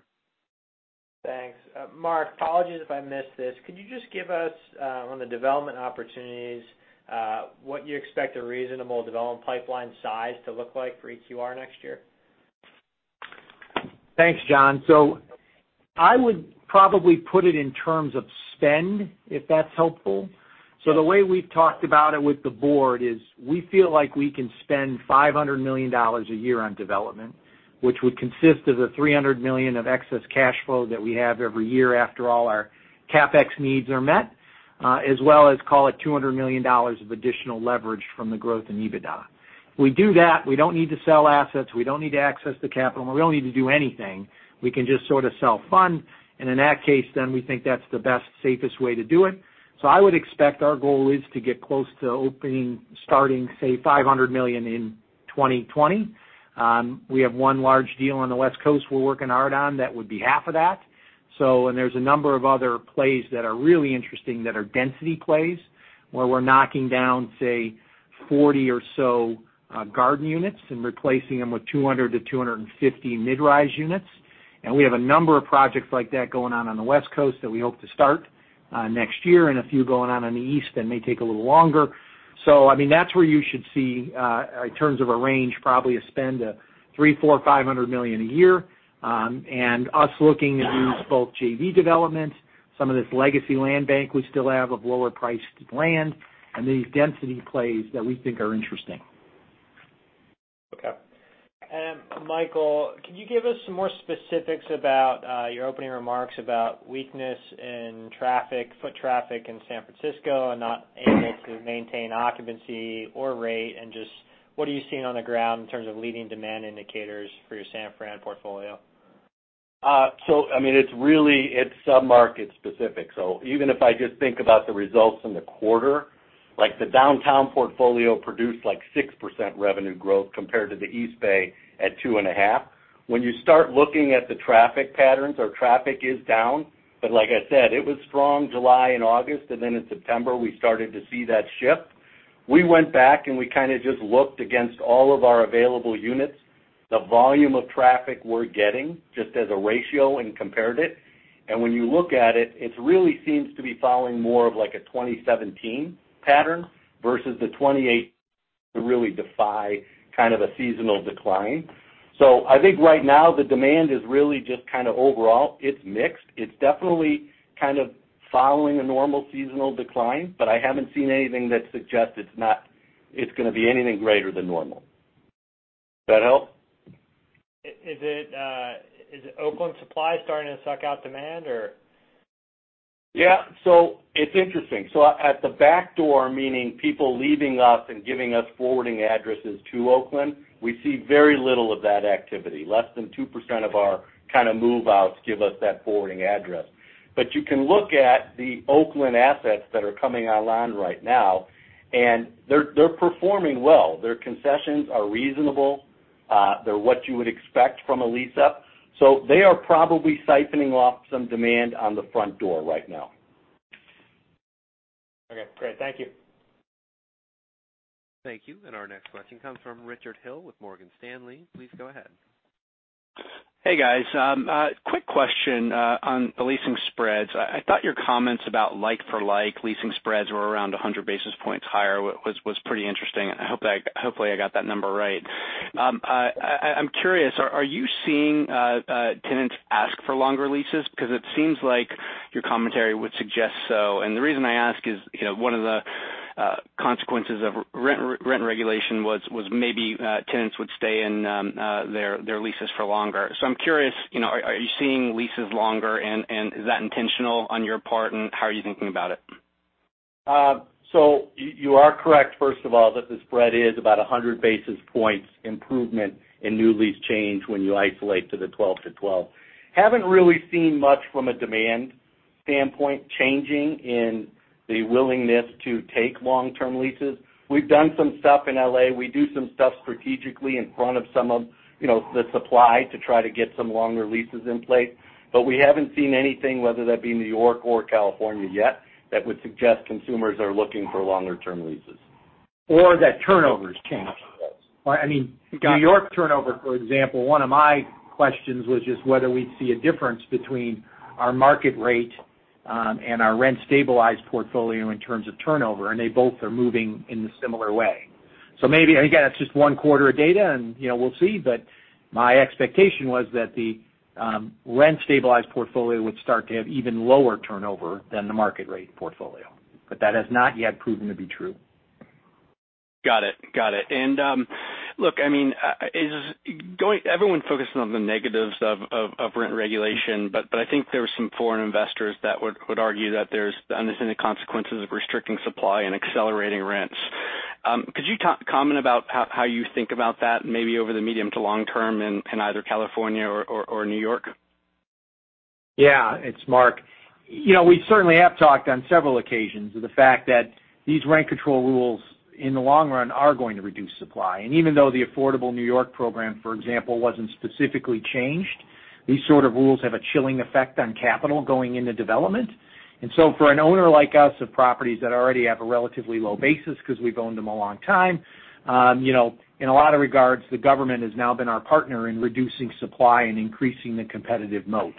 Thanks. Mark, apologies if I missed this. Could you just give us, on the development opportunities, what you expect a reasonable development pipeline size to look like for EQR next year? Thanks, John. I would probably put it in terms of spend, if that's helpful. Yes. The way we've talked about it with the board is we feel like we can spend $500 million a year on development, which would consist of the $300 million of excess cash flow that we have every year after all our CapEx needs are met, as well as, call it $200 million of additional leverage from the growth in EBITDA. We do that, we don't need to sell assets, we don't need to access the capital, and we don't need to do anything. We can just sort of self-fund. In that case, we think that's the best, safest way to do it. I would expect our goal is to get close to opening, starting, say, $500 million in 2020. We have one large deal on the West Coast we're working hard on that would be half of that. There's a number of other plays that are really interesting that are density plays, where we're knocking down, say, 40 or so garden units and replacing them with 200-250 mid-rise units. We have a number of projects like that going on on the West Coast that we hope to start next year, and a few going on in the East that may take a little longer. That's where you should see, in terms of a range, probably a spend of $300 million, $400 million, $500 million a year. Us looking at these both JV developments, some of this legacy land bank we still have of lower-priced land, and these density plays that we think are interesting. Okay. Michael, can you give us some more specifics about your opening remarks about weakness in foot traffic in San Francisco and not able to maintain occupancy or rate, and just what are you seeing on the ground in terms of leading demand indicators for your San Fran portfolio? It's sub-market specific. Even if I just think about the results in the quarter, like the downtown portfolio produced 6% revenue growth compared to the East Bay at 2.5%. When you start looking at the traffic patterns, our traffic is down. Like I said, it was strong July and August, and then in September, we started to see that shift. We went back, and we kind of just looked against all of our available units, the volume of traffic we're getting, just as a ratio, and compared it. When you look at it really seems to be following more of like a 2017 pattern versus the 28, to really defy kind of a seasonal decline. I think right now the demand is really just kind of overall, it's mixed. It's definitely kind of following a normal seasonal decline, but I haven't seen anything that suggests it's going to be anything greater than normal. That help? Is Oakland supply starting to suck out demand or? Yeah. It's interesting. At the back door, meaning people leaving us and giving us forwarding addresses to Oakland, we see very little of that activity. Less than 2% of our kind of move-outs give us that forwarding address. You can look at the Oakland assets that are coming online right now, and they're performing well. Their concessions are reasonable. They're what you would expect from a lease-up. They are probably siphoning off some demand on the front door right now. Okay, great. Thank you. Thank you. Our next question comes from Richard Hill with Morgan Stanley. Please go ahead. Hey, guys. Quick question on the leasing spreads. I thought your comments about like-for-like leasing spreads were around 100 basis points higher, was pretty interesting. Hopefully I got that number right. I'm curious, are you seeing tenants ask for longer leases? It seems like your commentary would suggest so. The reason I ask is, one of the consequences of rent regulation was maybe tenants would stay in their leases for longer. I'm curious, are you seeing leases longer, and is that intentional on your part, and how are you thinking about it? You are correct, first of all, that the spread is about 100 basis points improvement in new lease change when you isolate to the 12 to 12. Haven't really seen much from a demand standpoint changing in the willingness to take long-term leases. We've done some stuff in L.A. We do some stuff strategically in front of some of the supply to try to get some longer leases in place. We haven't seen anything, whether that be New York or California yet, that would suggest consumers are looking for longer-term leases. That turnover's changed. Yes. New York turnover, for example, one of my questions was just whether we'd see a difference between our market rate and our rent-stabilized portfolio in terms of turnover, and they both are moving in a similar way. Maybe, again, it's just one quarter of data, and we'll see, but my expectation was that the rent-stabilized portfolio would start to have even lower turnover than the market-rate portfolio. That has not yet proven to be true. Got it. Look, everyone's focusing on the negatives of rent regulation, but I think there are some foreign investors that would argue that there's the unintended consequences of restricting supply and accelerating rents. Could you comment about how you think about that, maybe over the medium to long term in either California or New York? Yeah, it's Mark. We certainly have talked on several occasions of the fact that these rent control rules, in the long run, are going to reduce supply. Even though the Affordable New York program, for example, wasn't specifically changed, these sort of rules have a chilling effect on capital going into development. So for an owner like us of properties that already have a relatively low basis because we've owned them a long time, in a lot of regards, the government has now been our partner in reducing supply and increasing the competitive moat.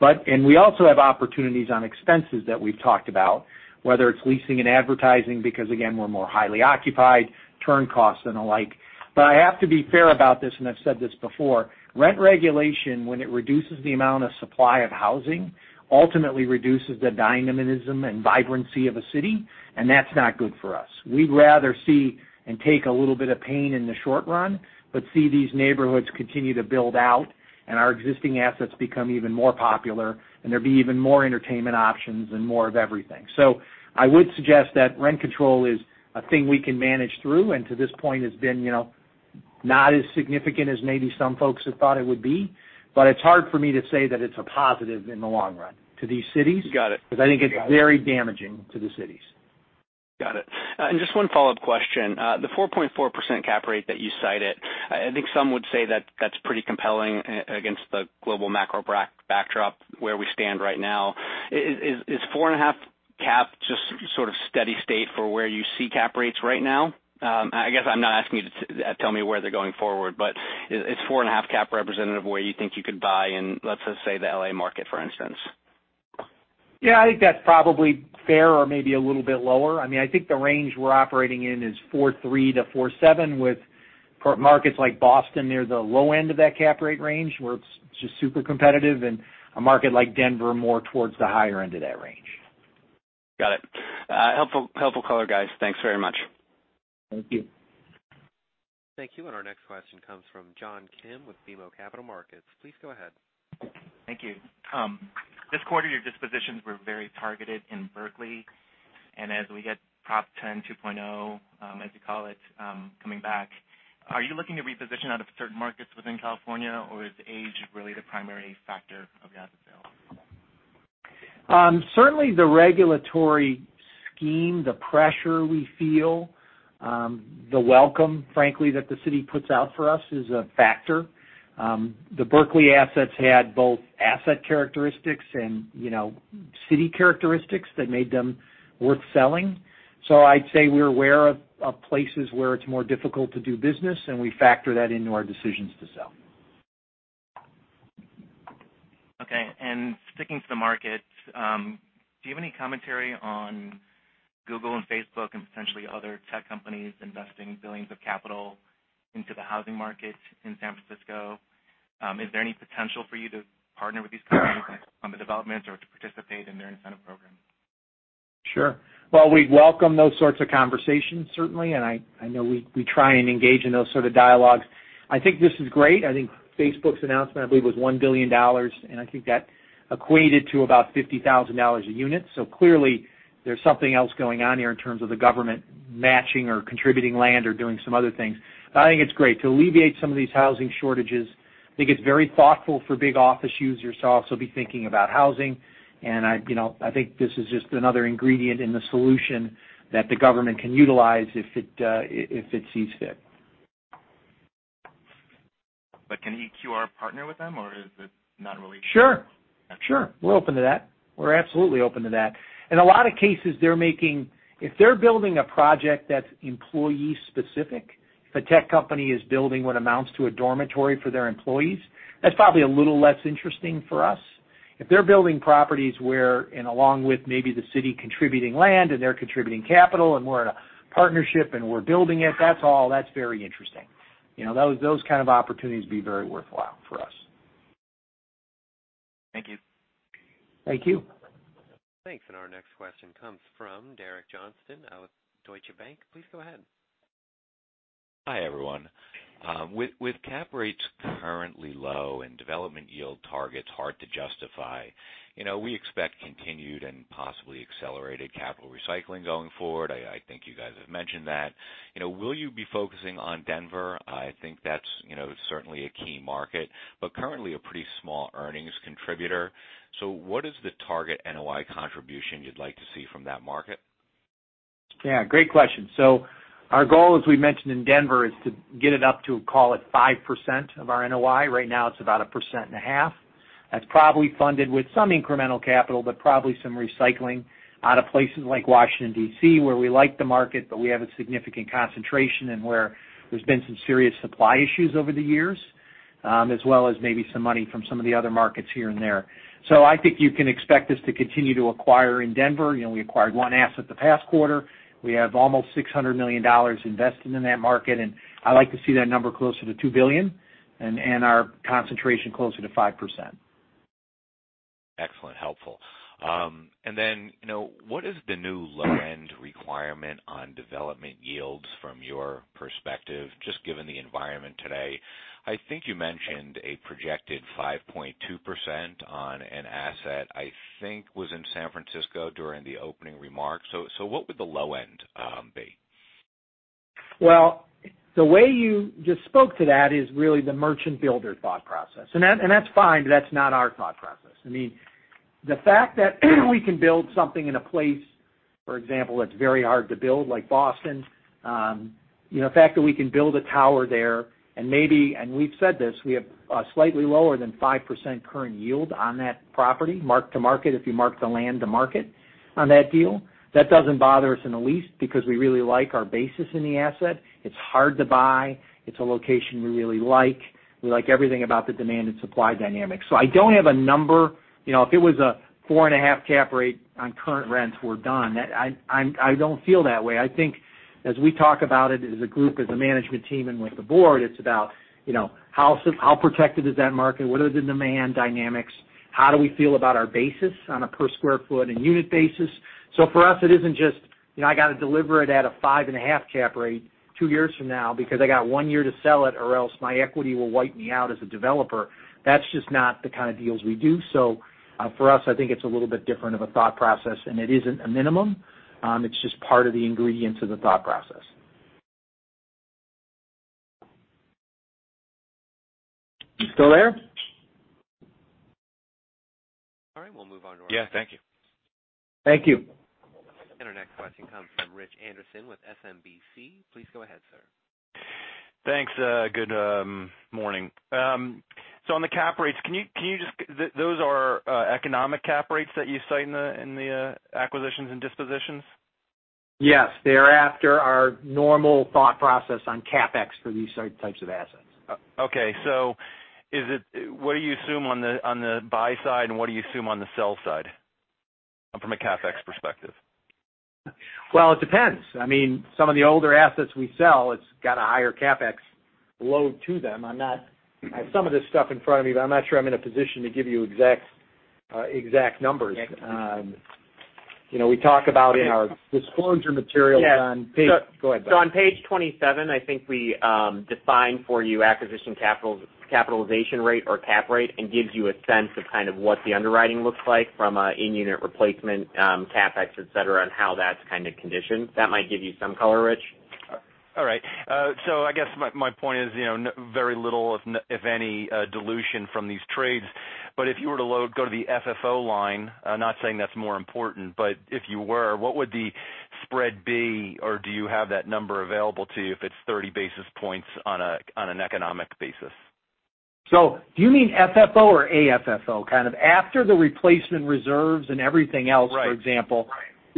We also have opportunities on expenses that we've talked about, whether it's leasing and advertising, because again, we're more highly occupied, turn costs and the like. I have to be fair about this, and I've said this before, rent regulation, when it reduces the amount of supply of housing, ultimately reduces the dynamism and vibrancy of a city, and that's not good for us. We'd rather see and take a little bit of pain in the short run, but see these neighborhoods continue to build out and our existing assets become even more popular, and there be even more entertainment options and more of everything. I would suggest that rent control is a thing we can manage through, and to this point has been not as significant as maybe some folks had thought it would be. It's hard for me to say that it's a positive in the long run to these cities. Got it. I think it's very damaging to the cities. Got it. Just one follow-up question. The 4.4% cap rate that you cited, I think some would say that that's pretty compelling against the global macro backdrop where we stand right now. Is 4.5 cap just sort of steady state for where you see cap rates right now? I guess I'm not asking you to tell me where they're going forward, but is 4.5 cap representative of where you think you could buy in, let's just say, the L.A. market, for instance? Yeah, I think that's probably fair or maybe a little bit lower. I think the range we're operating in is 4.3%-4.7% with markets like Boston near the low end of that cap rate range, where it's just super competitive, and a market like Denver more towards the higher end of that range. Got it. Helpful color, guys. Thanks very much. Thank you. Thank you, and our next question comes from John Kim with BMO Capital Markets. Please go ahead. Thank you. This quarter, your dispositions were very targeted in Berkeley, and as we get Prop 10 2.0, as you call it, coming back, are you looking to reposition out of certain markets within California, or is age really the primary factor of the asset sale? Certainly the regulatory scheme, the pressure we feel, the welcome, frankly, that the city puts out for us is a factor. The Berkeley assets had both asset characteristics and city characteristics that made them worth selling. I'd say we're aware of places where it's more difficult to do business, and we factor that into our decisions to sell. Okay. Sticking to the markets, do you have any commentary on Google and Facebook and potentially other tech companies investing billions of capital into the housing market in San Francisco? Is there any potential for you to partner with these companies on the development or to participate in their incentive program? Sure. Well, we welcome those sorts of conversations, certainly, and I know we try and engage in those sort of dialogues. I think this is great. I think Facebook's announcement, I believe, was $1 billion, and I think that equated to about $50,000 a unit. Clearly, there's something else going on here in terms of the government matching or contributing land or doing some other things. I think it's great to alleviate some of these housing shortages. I think it's very thoughtful for big office users to also be thinking about housing. I think this is just another ingredient in the solution that the government can utilize if it sees fit. Can EQR partner with them? Sure. Okay. Sure. We're open to that. We're absolutely open to that. In a lot of cases, if they're building a project that's employee-specific, if a tech company is building what amounts to a dormitory for their employees, that's probably a little less interesting for us. If they're building properties where, and along with maybe the city contributing land and they're contributing capital and we're in a partnership and we're building it, that's all, that's very interesting. Those kind of opportunities would be very worthwhile for us. Thank you. Thank you. Thanks. Our next question comes from Derek Johnston out with Deutsche Bank. Please go ahead. Hi, everyone. With cap rates currently low and development yield targets hard to justify, we expect continued and possibly accelerated capital recycling going forward. I think you guys have mentioned that. Will you be focusing on Denver? I think that's certainly a key market, but currently a pretty small earnings contributor. What is the target NOI contribution you'd like to see from that market? Yeah, great question. Our goal, as we mentioned in Denver, is to get it up to, call it, 5% of our NOI. Right now it's about a percent and a half. That's probably funded with some incremental capital, but probably some recycling out of places like Washington, D.C., where we like the market, but we have a significant concentration and where there's been some serious supply issues over the years, as well as maybe some money from some of the other markets here and there. I think you can expect us to continue to acquire in Denver. We acquired one asset the past quarter. We have almost $600 million invested in that market, and I like to see that number closer to $2 billion and our concentration closer to 5%. Excellent. Helpful. What is the new low-end requirement on development yields from your perspective, just given the environment today? I think you mentioned a projected 5.2% on an asset, I think was in San Francisco during the opening remarks. What would the low end be? The way you just spoke to that is really the merchant builder thought process, and that's fine, but that's not our thought process. The fact that we can build something in a place, for example, that's very hard to build, like Boston. The fact that we can build a tower there and we've said this, we have a slightly lower than 5% current yield on that property, mark to market, if you mark the land to market on that deal. That doesn't bother us in the least because we really like our basis in the asset. It's hard to buy. It's a location we really like. We like everything about the demand and supply dynamics. I don't have a number. If it was a 4.5 cap rate on current rents, we're done. I don't feel that way. I think as we talk about it as a group, as a management team, and with the board, it's about how protected is that market? What are the demand dynamics? How do we feel about our basis on a per square foot and unit basis? For us, it isn't just, I got to deliver it at a five and a half cap rate two years from now because I got one year to sell it, or else my equity will wipe me out as a developer. That's just not the kind of deals we do. For us, I think it's a little bit different of a thought process, and it isn't a minimum. It's just part of the ingredients of the thought process. You still there? All right. We'll move on to. Yeah. Thank you. Thank you. Our next question comes from Rich Anderson with SMBC. Please go ahead, sir. Thanks. Good morning. On the cap rates, those are economic cap rates that you cite in the acquisitions and dispositions? Yes. They are after our normal thought process on CapEx for these types of assets. Okay. What do you assume on the buy side and what do you assume on the sell side from a CapEx perspective? Well, it depends. Some of the older assets we sell, it's got a higher CapEx load to them. I have some of this stuff in front of me, but I'm not sure I'm in a position to give you exact numbers. We talk about in our disclosure material on page. Go ahead, Bob. On page 27, I think we define for you acquisition capitalization rate or cap rate and gives you a sense of kind of what the underwriting looks like from an in-unit replacement CapEx, et cetera, and how that's kind of conditioned. That might give you some color, Rich. All right. I guess my point is, very little, if any, dilution from these trades. If you were to go to the FFO line, I'm not saying that's more important, but if you were, what would the spread be, or do you have that number available to you if it's 30 basis points on an economic basis? Do you mean FFO or AFFO kind of after the replacement reserves and everything else? Right for example?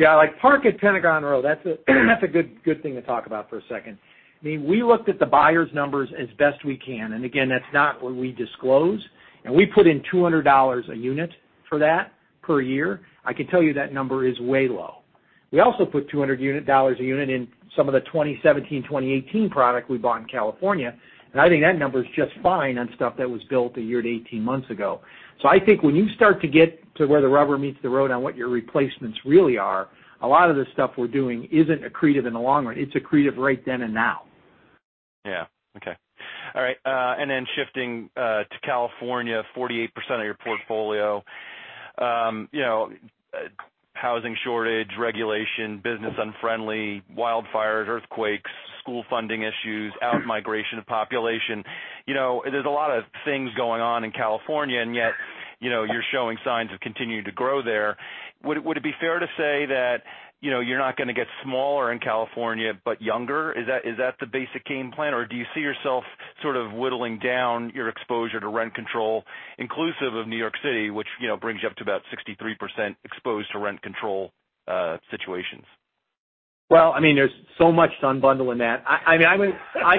Yeah, like Park at Pentagon Row. That's a good thing to talk about for a second. We looked at the buyer's numbers as best we can, again, that's not what we disclose. We put in $200 a unit for that per year. I can tell you that number is way low. We also put $200 a unit in some of the 2017, 2018 product we bought in California, I think that number is just fine on stuff that was built a year to 18 months ago. I think when you start to get to where the rubber meets the road on what your replacements really are, a lot of the stuff we're doing isn't accretive in the long run. It's accretive right then and now. Yeah. Okay. All right. Then shifting to California, 48% of your portfolio. Housing shortage, regulation, business unfriendly, wildfires, earthquakes, school funding issues, out-migration of population. There's a lot of things going on in California, and yet you're showing signs of continuing to grow there. Would it be fair to say that you're not going to get smaller in California but younger? Is that the basic game plan, or do you see yourself sort of whittling down your exposure to rent control, inclusive of New York City, which brings you up to about 63% exposed to rent control situations? Well, there's so much to unbundle in that. I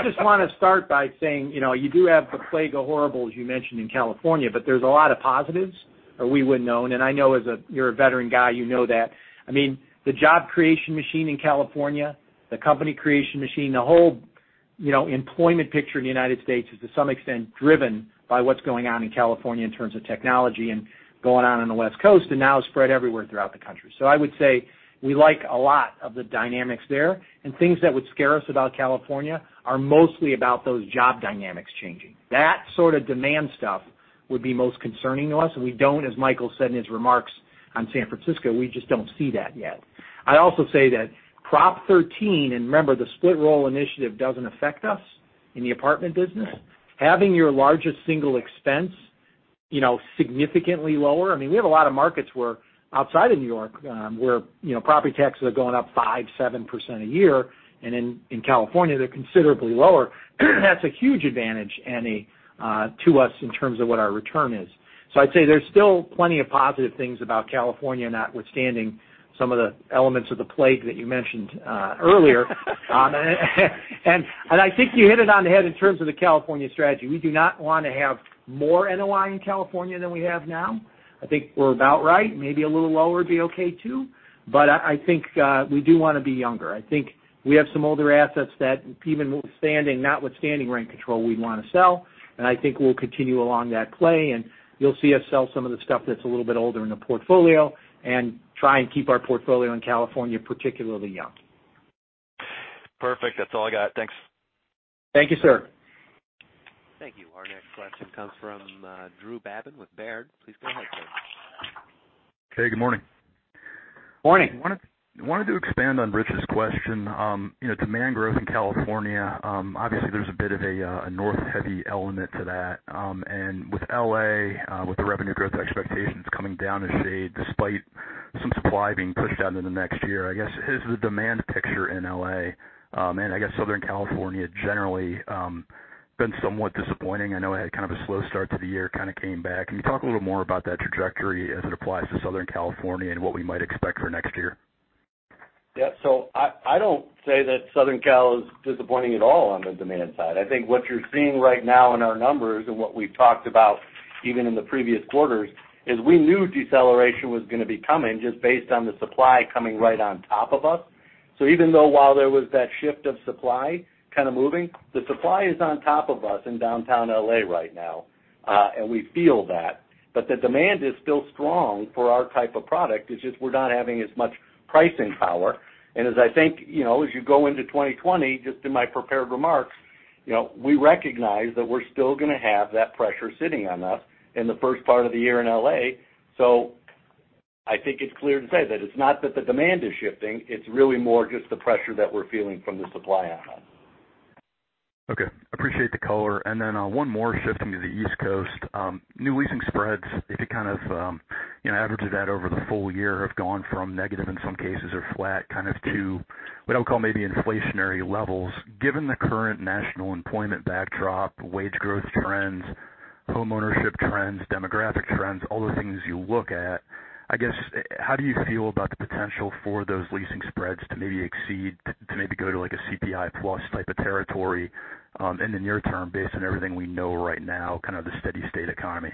just want to start by saying, you do have the plague o' horribles, you mentioned in California, but there's a lot of positives, or we wouldn't own. I know you're a veteran guy, you know that. The job creation machine in California, the company creation machine, the whole employment picture in the United States is to some extent driven by what's going on in California in terms of technology and going on the West Coast and now spread everywhere throughout the country. I would say we like a lot of the dynamics there, and things that would scare us about California are mostly about those job dynamics changing. That sort of demand stuff would be most concerning to us, and we don't, as Michael said in his remarks on San Francisco, we just don't see that yet. I'd also say that Prop 13, remember, the split roll initiative doesn't affect us in the apartment business. Having your largest single expense significantly lower. We have a lot of markets outside of New York where property taxes are going up 5%, 7% a year, and in California, they're considerably lower. That's a huge advantage, Rich, to us in terms of what our return is. I'd say there's still plenty of positive things about California, notwithstanding some of the elements of the plague that you mentioned earlier on. I think you hit it on the head in terms of the California strategy. We do not want to have more NOI in California than we have now. I think we're about right. Maybe a little lower would be okay too. I think we do want to be younger. I think we have some older assets that even notwithstanding rent control, we'd want to sell, and I think we'll continue along that play, and you'll see us sell some of the stuff that's a little bit older in the portfolio and try and keep our portfolio in California particularly young. Perfect. That's all I got. Thanks. Thank you, sir. Thank you. Our next question comes from Drew Babin with Baird. Please go ahead, sir. Okay, good morning. Morning. Wanted to expand on Rich's question. Demand growth in California, obviously there's a bit of a north-heavy element to that. With L.A., with the revenue growth expectations coming down a shade despite some supply being pushed out into the next year, I guess, has the demand picture in L.A., and I guess Southern California generally, been somewhat disappointing? I know it had kind of a slow start to the year, kind of came back. Can you talk a little more about that trajectory as it applies to Southern California and what we might expect for next year? Yeah. I don't say that Southern Cal is disappointing at all on the demand side. I think what you're seeing right now in our numbers and what we've talked about even in the previous quarters, is we knew deceleration was going to be coming just based on the supply coming right on top of us. Even though while there was that shift of supply kind of moving, the supply is on top of us in downtown L.A. right now, and we feel that. The demand is still strong for our type of product, it's just we're not having as much pricing power. As I think, as you go into 2020, just in my prepared remarks, we recognize that we're still going to have that pressure sitting on us in the first part of the year in L.A. I think it's clear to say that it's not that the demand is shifting, it's really more just the pressure that we're feeling from the supply on. Okay. Appreciate the color. One more, shifting to the East Coast. New leasing spreads, if you kind of average that over the full year, have gone from negative in some cases or flat to what I would call maybe inflationary levels. Given the current national employment backdrop, wage growth trends, home ownership trends, demographic trends, all the things you look at, I guess, how do you feel about the potential for those leasing spreads to maybe exceed, to maybe go to like a CPI plus type of territory in the near term based on everything we know right now, kind of the steady state economy?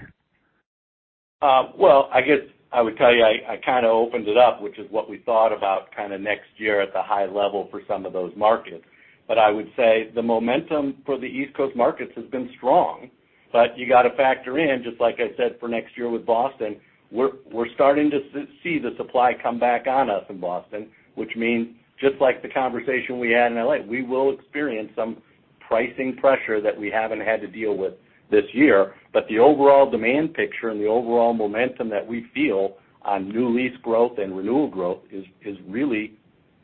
Well, I guess I would tell you, I kind of opened it up, which is what we thought about kind of next year at the high level for some of those markets. I would say the momentum for the East Coast markets has been strong, but you got to factor in, just like I said for next year with Boston, we're starting to see the supply come back on us in Boston, which means just like the conversation we had in L.A., we will experience some pricing pressure that we haven't had to deal with this year. The overall demand picture and the overall momentum that we feel on new lease growth and renewal growth is really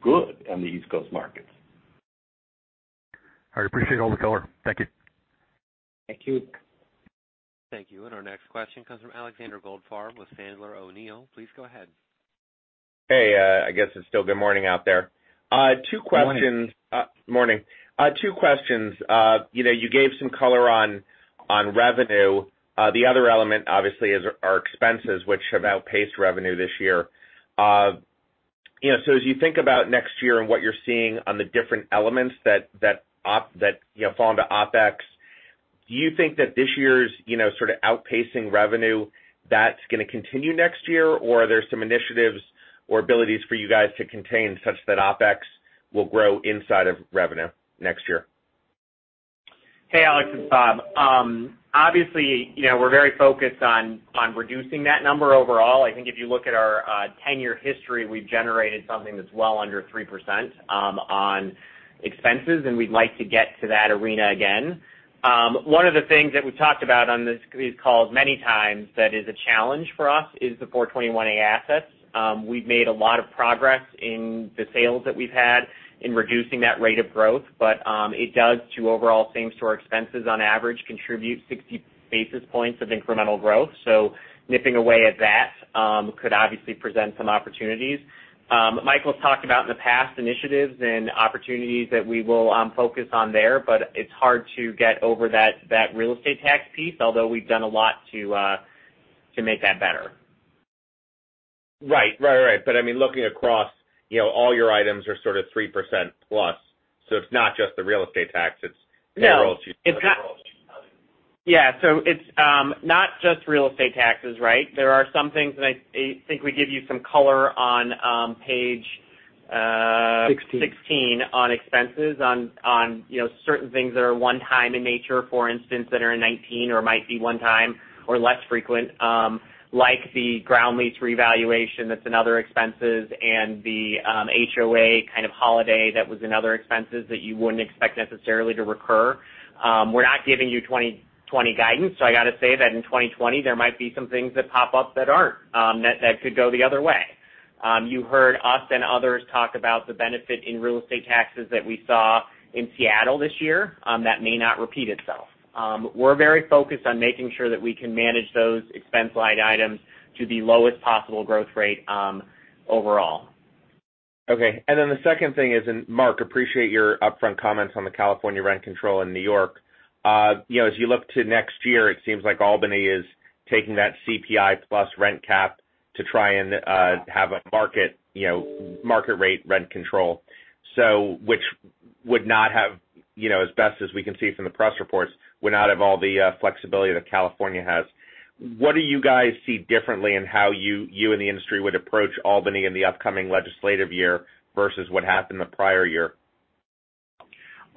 good on the East Coast markets. All right. Appreciate all the color. Thank you. Thank you. Thank you. Our next question comes from Alexander Goldfarb with Sandler O'Neill. Please go ahead. Hey, I guess it's still good morning out there. Morning. Morning. Two questions. You gave some color on revenue. The other element obviously are expenses, which have outpaced revenue this year. As you think about next year and what you're seeing on the different elements that fall into OpEx, do you think that this year's sort of outpacing revenue, that's going to continue next year? Are there some initiatives or abilities for you guys to contain such that OpEx will grow inside of revenue next year? Hey, Alex. It's Bob. Obviously, we're very focused on reducing that number overall. I think if you look at our 10-year history, we've generated something that's well under 3% on expenses, and we'd like to get to that arena again. One of the things that we've talked about on these calls many times that is a challenge for us is the 421-a assets. We've made a lot of progress in the sales that we've had in reducing that rate of growth, but it does to overall same store expenses on average contribute 60 basis points of incremental growth. Nipping away at that could obviously present some opportunities. Michael's talked about in the past initiatives and opportunities that we will focus on there, but it's hard to get over that real estate tax piece, although we've done a lot to make that better. Right. I mean, looking across all your items are sort of 3% plus, so it's not just the real estate tax, it's payroll too. Yeah. It's not just real estate taxes, right? There are some things, and I think we give you some color on page- 16 16 on expenses on certain things that are one time in nature, for instance, that are in 2019 or might be one time or less frequent, like the ground lease revaluation, that's in other expenses, and the HOA kind of holiday that was in other expenses that you wouldn't expect necessarily to recur. We're not giving you 2020 guidance. I got to say that in 2020, there might be some things that pop up that aren't, that could go the other way. You heard us and others talk about the benefit in real estate taxes that we saw in Seattle this year. That may not repeat itself. We're very focused on making sure that we can manage those expense line items to the lowest possible growth rate overall. The second thing is, Mark, appreciate your upfront comments on the California rent control in New York. As you look to next year, it seems like Albany is taking that CPI plus rent cap to try and have a market rate rent control. Which would not have, as best as we can see from the press reports, would not have all the flexibility that California has. What do you guys see differently in how you and the industry would approach Albany in the upcoming legislative year versus what happened the prior year?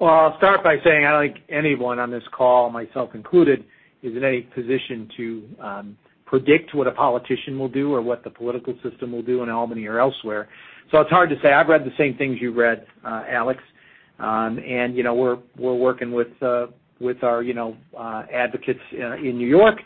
I'll start by saying I don't think anyone on this call, myself included, is in any position to predict what a politician will do or what the political system will do in Albany or elsewhere. It's hard to say. I've read the same things you've read, Alex. We're working with our advocates in New York.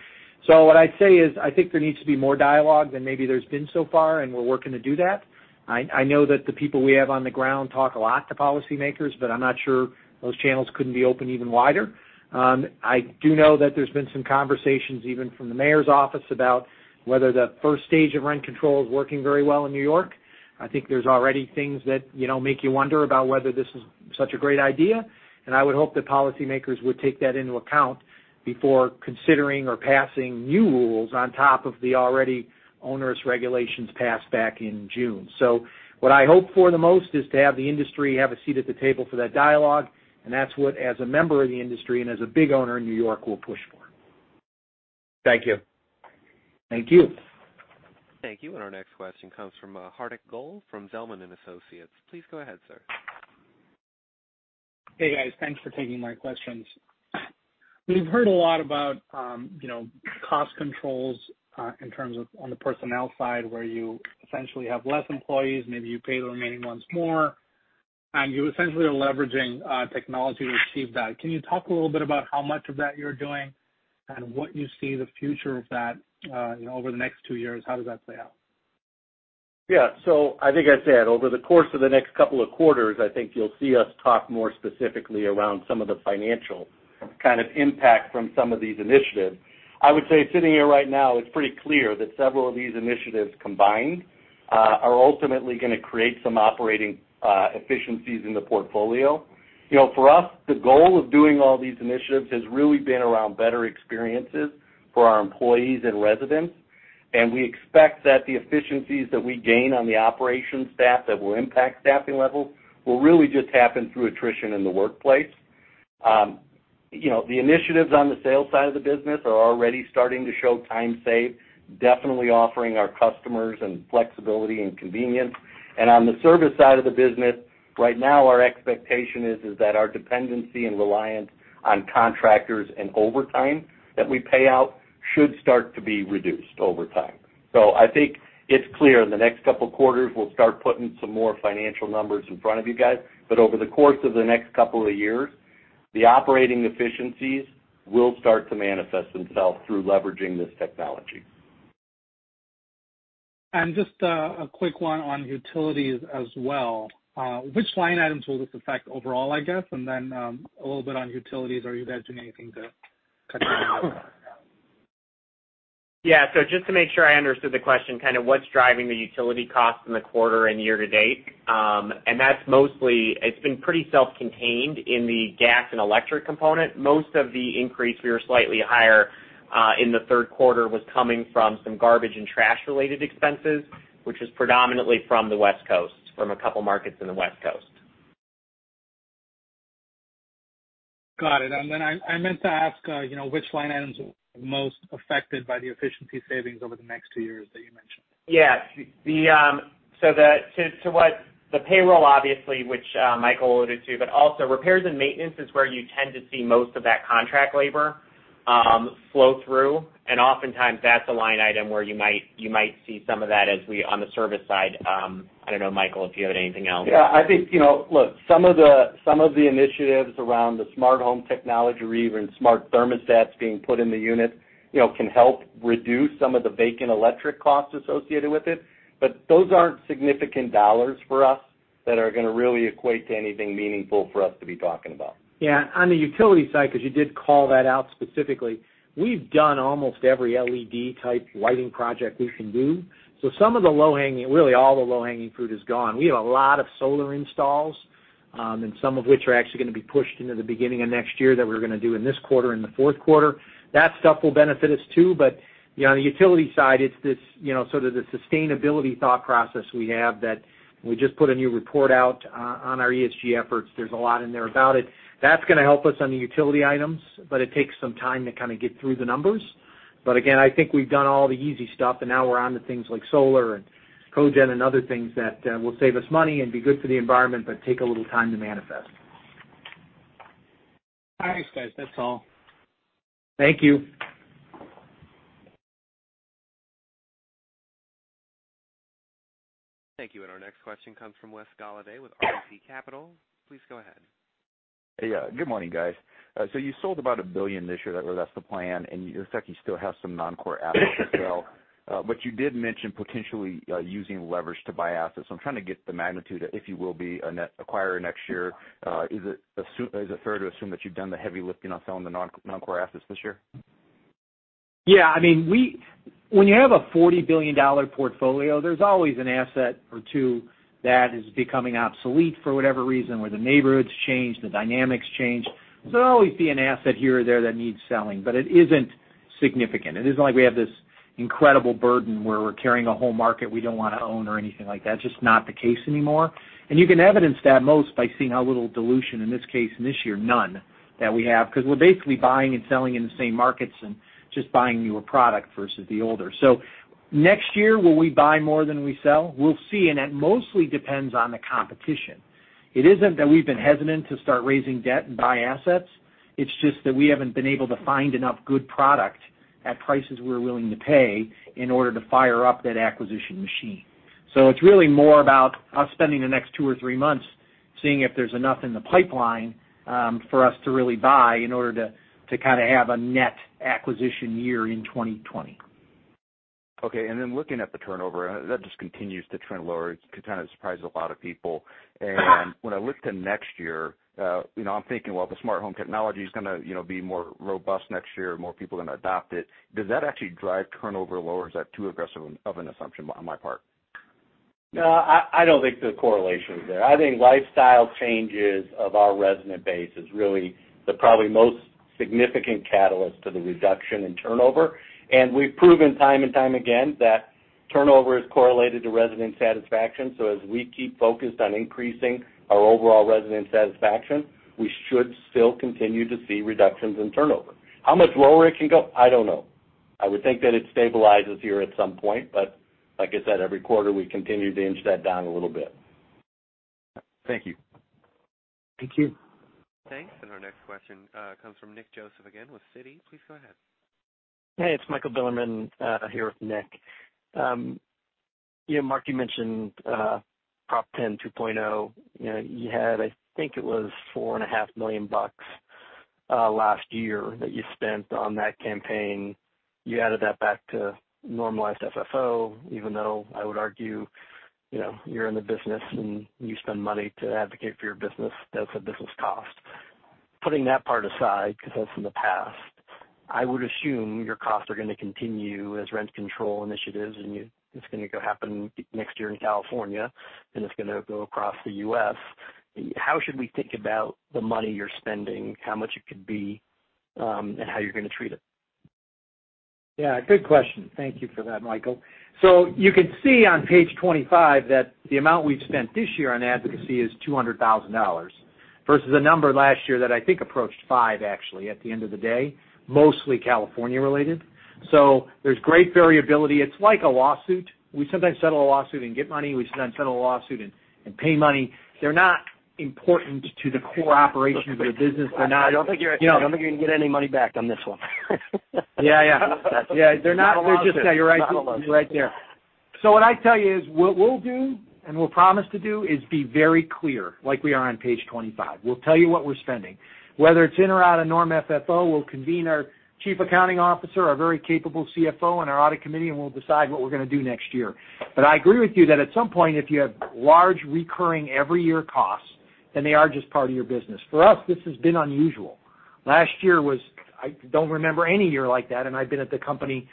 What I'd say is, I think there needs to be more dialogue than maybe there's been so far, and we're working to do that. I know that the people we have on the ground talk a lot to policymakers, but I'm not sure those channels couldn't be opened even wider. I do know that there's been some conversations even from the mayor's office about whether the first stage of rent control is working very well in New York. I think there's already things that make you wonder about whether this is such a great idea, and I would hope that policymakers would take that into account before considering or passing new rules on top of the already onerous regulations passed back in June. What I hope for the most is to have the industry have a seat at the table for that dialogue, and that's what, as a member of the industry and as a big owner in New York, we'll push for. Thank you. Thank you. Thank you. Our next question comes from Hardik Goel from Zelman & Associates. Please go ahead, sir. Hey, guys. Thanks for taking my questions. We've heard a lot about cost controls in terms of on the personnel side, where you essentially have less employees, maybe you pay the remaining ones more, and you essentially are leveraging technology to achieve that. Can you talk a little bit about how much of that you're doing and what you see the future of that over the next two years? How does that play out? Yeah. I think I said, over the course of the next couple of quarters, I think you'll see us talk more specifically around some of the financial kind of impact from some of these initiatives. I would say sitting here right now, it's pretty clear that several of these initiatives combined are ultimately going to create some operating efficiencies in the portfolio. For us, the goal of doing all these initiatives has really been around better experiences for our employees and residents. We expect that the efficiencies that we gain on the operations staff that will impact staffing levels will really just happen through attrition in the workplace. The initiatives on the sales side of the business are already starting to show time saved, definitely offering our customers some flexibility and convenience. On the service side of the business, right now, our expectation is that our dependency and reliance on contractors and overtime that we pay out should start to be reduced over time. I think it's clear in the next couple of quarters, we'll start putting some more financial numbers in front of you guys. Over the course of the next couple of years, the operating efficiencies will start to manifest themselves through leveraging this technology. Just a quick one on utilities as well. Which line items will this affect overall, I guess? A little bit on utilities. Are you guys doing anything to cut down on that? Just to make sure I understood the question, kind of what's driving the utility cost in the quarter and year to date, and it's been pretty self-contained in the gas and electric component. Most of the increase, we were slightly higher in the third quarter, was coming from some garbage and trash-related expenses, which is predominantly from the West Coast, from a couple of markets in the West Coast. Got it. Then I meant to ask which line items are most affected by the efficiency savings over the next two years that you mentioned? Yeah. The payroll, obviously, which Michael alluded to, but also repairs and maintenance is where you tend to see most of that contract labor flow through. Oftentimes, that's a line item where you might see some of that on the service side. I don't know, Michael, if you had anything else. Yeah. I think some of the initiatives around the smart home technology or even smart thermostats being put in the unit can help reduce some of the vacant electric costs associated with it. Those aren't significant dollars for us that are going to really equate to anything meaningful for us to be talking about. On the utility side, because you did call that out specifically, we've done almost every LED-type lighting project we can do. Some of the low-hanging, really all the low-hanging fruit is gone. We have a lot of solar installs, and some of which are actually going to be pushed into the beginning of next year that we're going to do in this quarter and the fourth quarter. That stuff will benefit us too, but on the utility side, it's this sort of the sustainability thought process we have that we just put a new report out on our ESG efforts. There's a lot in there about it. That's going to help us on the utility items, but it takes some time to kind of get through the numbers. Again, I think we've done all the easy stuff, and now we're on to things like solar and cogen and other things that will save us money and be good for the environment, but take a little time to manifest. All right, guys. That's all. Thank you. Thank you. Our next question comes from Wes Golladay with RBC Capital. Please go ahead. Yeah. Good morning, guys. You sold about $1 billion this year, or that's the plan, and it looks like you still have some non-core assets to sell. You did mention potentially using leverage to buy assets. I'm trying to get the magnitude of if you will be a net acquirer next year. Is it fair to assume that you've done the heavy lifting on selling the non-core assets this year? Yeah. When you have a $40 billion portfolio, there's always an asset or two that is becoming obsolete for whatever reason, where the neighborhood's changed, the dynamics changed. There'll always be an asset here or there that needs selling, but it isn't significant. It isn't like we have this incredible burden where we're carrying a whole market we don't want to own or anything like that. Just not the case anymore. You can evidence that most by seeing how little dilution, in this case, this year, none, that we have, because we're basically buying and selling in the same markets and just buying newer product versus the older. Next year, will we buy more than we sell? We'll see, and that mostly depends on the competition. It isn't that we've been hesitant to start raising debt and buy assets. It's just that we haven't been able to find enough good product at prices we're willing to pay in order to fire up that acquisition machine. It's really more about us spending the next two or three months seeing if there's enough in the pipeline for us to really buy in order to kind of have a net acquisition year in 2020. Okay. Looking at the turnover, that just continues to trend lower. It kind of surprised a lot of people. When I look to next year, I'm thinking, well, the smart home technology's going to be more robust next year, more people are going to adopt it. Does that actually drive turnover lower, or is that too aggressive of an assumption on my part? No, I don't think the correlation's there. I think lifestyle changes of our resident base is really the probably most significant catalyst to the reduction in turnover. We've proven time and time again that turnover is correlated to resident satisfaction. As we keep focused on increasing our overall resident satisfaction, we should still continue to see reductions in turnover. How much lower it can go, I don't know. I would think that it stabilizes here at some point, like I said, every quarter, we continue to inch that down a little bit. Thank you. Thank you. Thanks. Our next question comes from Nicholas Joseph again with Citi. Please go ahead. Hey, it's Michael Bilerman, here with Nick. Mark, you mentioned Prop 10 2.0. You had, I think it was $4.5 million last year that you spent on that campaign. You added that back to normalized FFO, even though I would argue, you're in the business, and you spend money to advocate for your business. That's a business cost. Putting that part aside, because that's in the past, I would assume your costs are going to continue as rent control initiatives, and it's going to happen next year in California, then it's going to go across the U.S. How should we think about the money you're spending, how much it could be, and how you're going to treat it? Yeah, good question. Thank you for that, Michael. You can see on page 25 that the amount we've spent this year on advocacy is $200,000, versus a number last year that I think approached five, actually, at the end of the day, mostly California-related. There's great variability. It's like a lawsuit. We sometimes settle a lawsuit and get money. We sometimes settle a lawsuit and pay money. They're not important to the core operations of the business. I don't think you're going to get any money back on this one. Yeah. It's not a lawsuit. You're right there. What I tell you is, what we'll do and we'll promise to do, is be very clear, like we are on page 25. We'll tell you what we're spending. Whether it's in or out of norm FFO, we'll convene our chief accounting officer, our very capable CFO, and our audit committee, and we'll decide what we're going to do next year. I agree with you that at some point, if you have large recurring every year costs, then they are just part of your business. For us, this has been unusual. Last year, I don't remember any year like that, and I've been at the company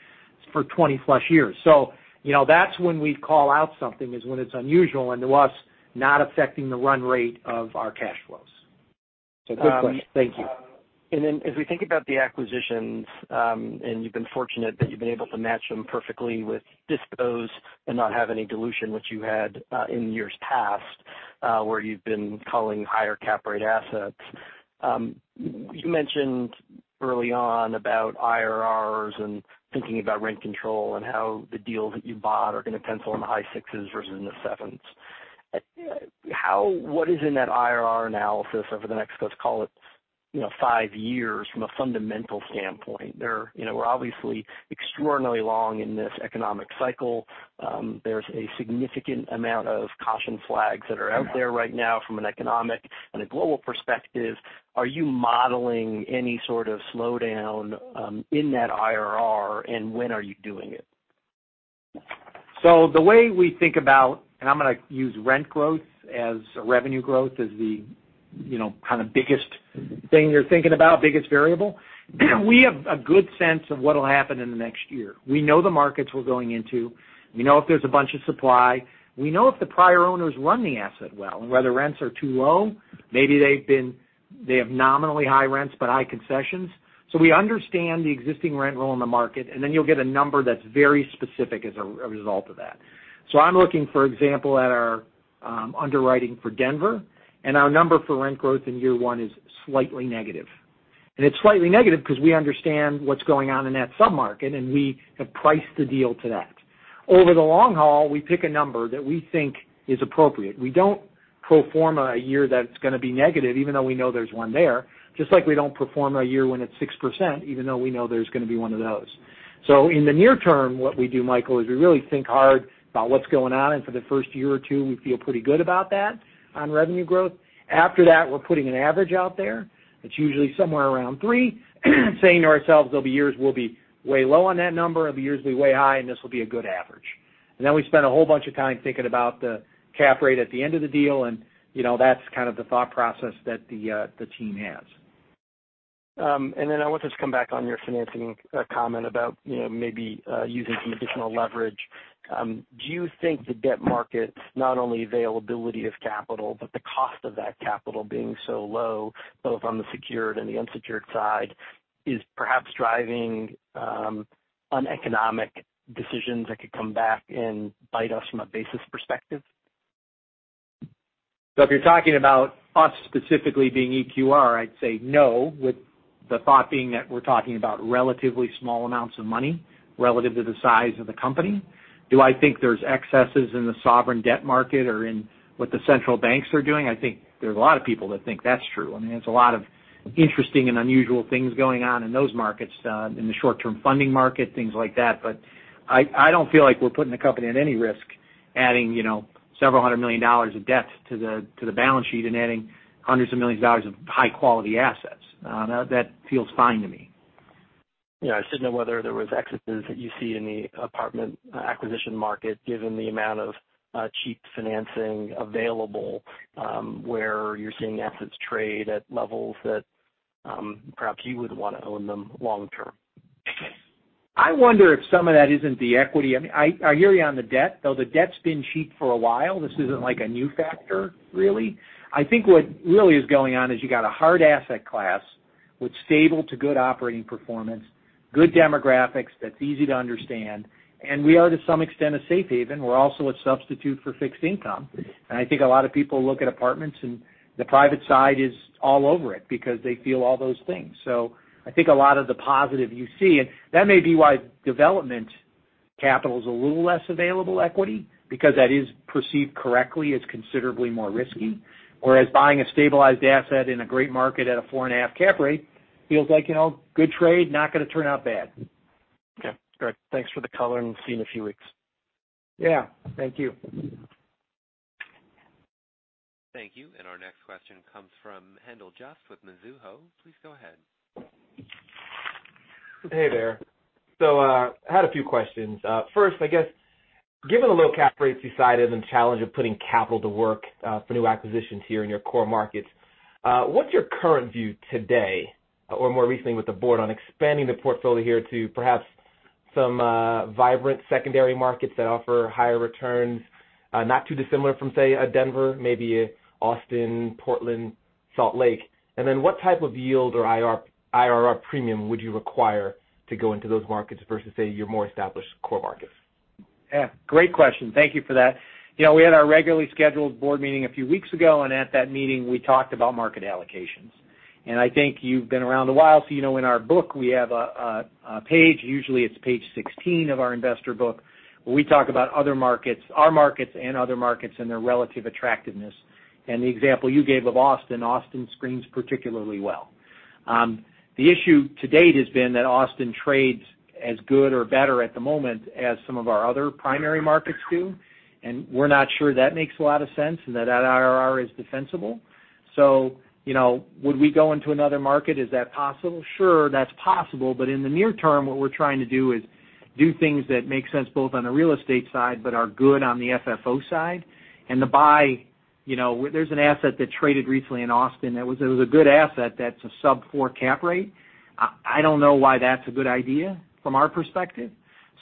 for 20-plus years. That's when we call out something, is when it's unusual, and to us, not affecting the run rate of our cash flows. It's a good question. Thank you. As we think about the acquisitions, you've been fortunate that you've been able to match them perfectly with dispos and not have any dilution, which you had in years past, where you've been culling higher cap rate assets. You mentioned early on about IRRs and thinking about rent control and how the deals that you bought are going to pencil in the high sixes versus in the sevens. What is in that IRR analysis over the next, let's call it, five years from a fundamental standpoint? We're obviously extraordinarily long in this economic cycle. There's a significant amount of caution flags that are out there right now from an economic and a global perspective. Are you modeling any sort of slowdown in that IRR, and when are you doing it? The way we think about, and I'm going to use rent growth as revenue growth as the kind of biggest thing you're thinking about, biggest variable. We have a good sense of what'll happen in the next year. We know the markets we're going into. We know if there's a bunch of supply. We know if the prior owners run the asset well, and whether rents are too low. Maybe they have nominally high rents but high concessions. We understand the existing rent roll in the market, and then you'll get a number that's very specific as a result of that. I'm looking, for example, at our underwriting for Denver, and our number for rent growth in year one is slightly negative. It's slightly negative because we understand what's going on in that sub-market, and we have priced the deal to that. Over the long haul, we pick a number that we think is appropriate. We don't pro forma a year that's going to be negative, even though we know there's one there, just like we don't pro forma a year when it's 6%, even though we know there's going to be one of those. In the near term, what we do, Michael, is we really think hard about what's going on, and for the first year or two, we feel pretty good about that on revenue growth. After that, we're putting an average out there. It's usually somewhere around three, saying to ourselves, there'll be years we'll be way low on that number, or the years we'll be way high, and this will be a good average. We spend a whole bunch of time thinking about the cap rate at the end of the deal, and that's kind of the thought process that the team has. I want to just come back on your financing comment about maybe using some additional leverage. Do you think the debt markets, not only availability of capital, but the cost of that capital being so low, both on the secured and the unsecured side, is perhaps driving uneconomic decisions that could come back and bite us from a basis perspective? If you're talking about us specifically being EQR, I'd say no, with the thought being that we're talking about relatively small amounts of money relative to the size of the company. Do I think there's excesses in the sovereign debt market or in what the central banks are doing? I think there's a lot of interesting and unusual things going on in those markets, in the short-term funding market, things like that. I don't feel like we're putting the company at any risk adding $ several hundred million of debt to the balance sheet and adding $ hundreds of millions of high-quality assets. That feels fine to me. Yeah. I was just wondering whether there was excesses that you see in the apartment acquisition market, given the amount of cheap financing available, where you're seeing assets trade at levels that perhaps you wouldn't want to own them long term. I wonder if some of that isn't the equity. I hear you on the debt, though. The debt's been cheap for a while. This isn't like a new factor, really. I think what really is going on is you got a hard asset class with stable to good operating performance, good demographics that's easy to understand, and we are, to some extent, a safe haven. We're also a substitute for fixed income. I think a lot of people look at apartments, and the private side is all over it because they feel all those things. I think a lot of the positive you see, and that may be why development capital's a little less available equity because that is perceived correctly as considerably more risky. Whereas buying a stabilized asset in a great market at a four and a half cap rate feels like good trade. Not going to turn out bad. Okay, great. Thanks for the color and see you in a few weeks. Yeah. Thank you. Thank you. Our next question comes from Haendel St. Juste with Mizuho. Please go ahead. Hey there. I had a few questions. First, I guess, given the low cap rates you cited and challenge of putting capital to work for new acquisitions here in your core markets, what's your current view today, or more recently with the board, on expanding the portfolio here to perhaps some vibrant secondary markets that offer higher returns, not too dissimilar from, say, a Denver, maybe Austin, Portland, Salt Lake? What type of yield or IRR premium would you require to go into those markets versus, say, your more established core markets? Yeah, great question. Thank you for that. We had our regularly scheduled board meeting a few weeks ago. At that meeting, we talked about market allocations. I think you've been around a while, so you know in our book we have a page, usually it's page 16 of our investor book, where we talk about other markets, our markets and other markets, and their relative attractiveness. The example you gave of Austin screens particularly well. The issue to date has been that Austin trades as good or better at the moment as some of our other primary markets do, and we're not sure that makes a lot of sense and that that IRR is defensible. Would we go into another market? Is that possible? Sure, that's possible, but in the near term, what we're trying to do is do things that make sense both on the real estate side but are good on the FFO side. There's an asset that traded recently in Austin, it was a good asset that's a sub-4 cap rate. I don't know why that's a good idea from our perspective.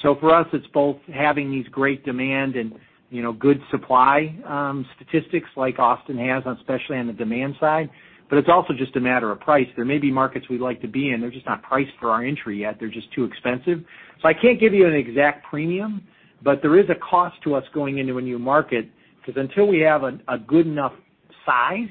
For us, it's both having these great demand and good supply statistics like Austin has, especially on the demand side. It's also just a matter of price. There may be markets we'd like to be in. They're just not priced for our entry yet. They're just too expensive. I can't give you an exact premium, but there is a cost to us going into a new market, because until we have a good enough size,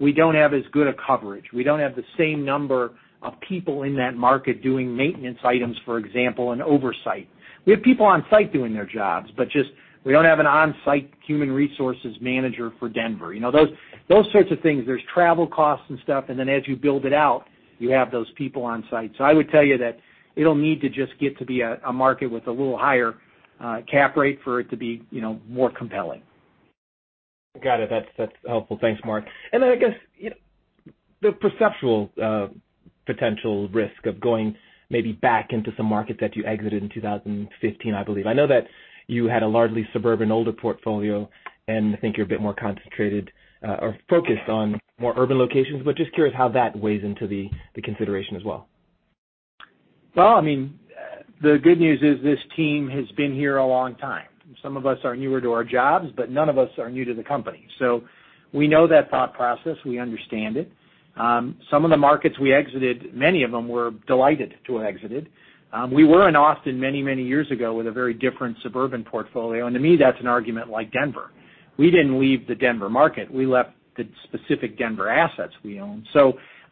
we don't have as good a coverage. We don't have the same number of people in that market doing maintenance items, for example, and oversight. We have people on-site doing their jobs, but we don't have an on-site human resources manager for Denver. Those sorts of things. There's travel costs and stuff. As you build it out, you have those people on-site. I would tell you that it'll need to just get to be a market with a little higher cap rate for it to be more compelling. Got it. That's helpful. Thanks, Mark. Then I guess the perceptual potential risk of going maybe back into some markets that you exited in 2015, I believe. I know that you had a largely suburban older portfolio, and I think you're a bit more concentrated or focused on more urban locations, but just curious how that weighs into the consideration as well. Well, the good news is this team has been here a long time. Some of us are newer to our jobs, but none of us are new to the company. We know that thought process. We understand it. Some of the markets we exited, many of them we're delighted to have exited. We were in Austin many years ago with a very different suburban portfolio, and to me, that's an argument like Denver. We didn't leave the Denver market. We left the specific Denver assets we own.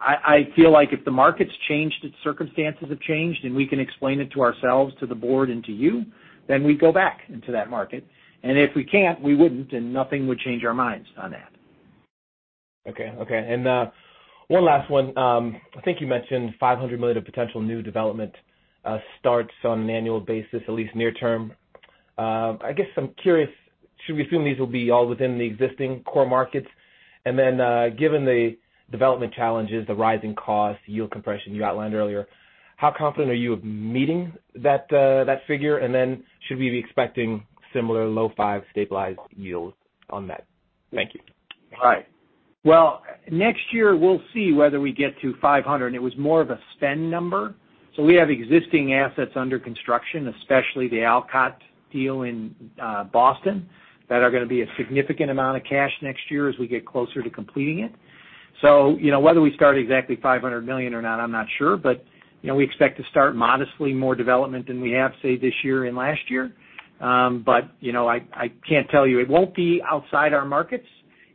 I feel like if the market's changed, its circumstances have changed, and we can explain it to ourselves, to the board, and to you, then we'd go back into that market. If we can't, we wouldn't, and nothing would change our minds on that. Okay. One last one. I think you mentioned $500 million of potential new development starts on an annual basis, at least near term. I guess I'm curious, should we assume these will be all within the existing core markets? Given the development challenges, the rising costs, yield compression you outlined earlier, how confident are you of meeting that figure? Should we be expecting similar low five stabilized yields on that? Thank you. All right. Well, next year we'll see whether we get to $500 million. It was more of a spend number. We have existing assets under construction, especially the Alcott deal in Boston, that are going to be a significant amount of cash next year as we get closer to completing it. Whether we start exactly $500 million or not, I'm not sure. We expect to start modestly more development than we have, say, this year and last year. I can't tell you. It won't be outside our markets.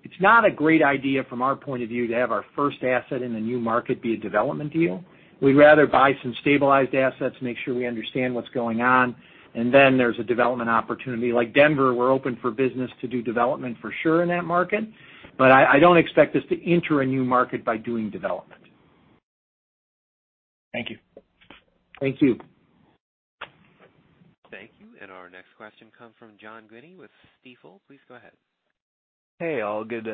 It's not a great idea from our point of view to have our first asset in the new market be a development deal. We'd rather buy some stabilized assets, make sure we understand what's going on. Then there's a development opportunity. Like Denver, we're open for business to do development for sure in that market, but I don't expect us to enter a new market by doing development. Thank you. Thank you. Thank you. Our next question comes from John Guinee with Stifel. Please go ahead. Hey, all. Good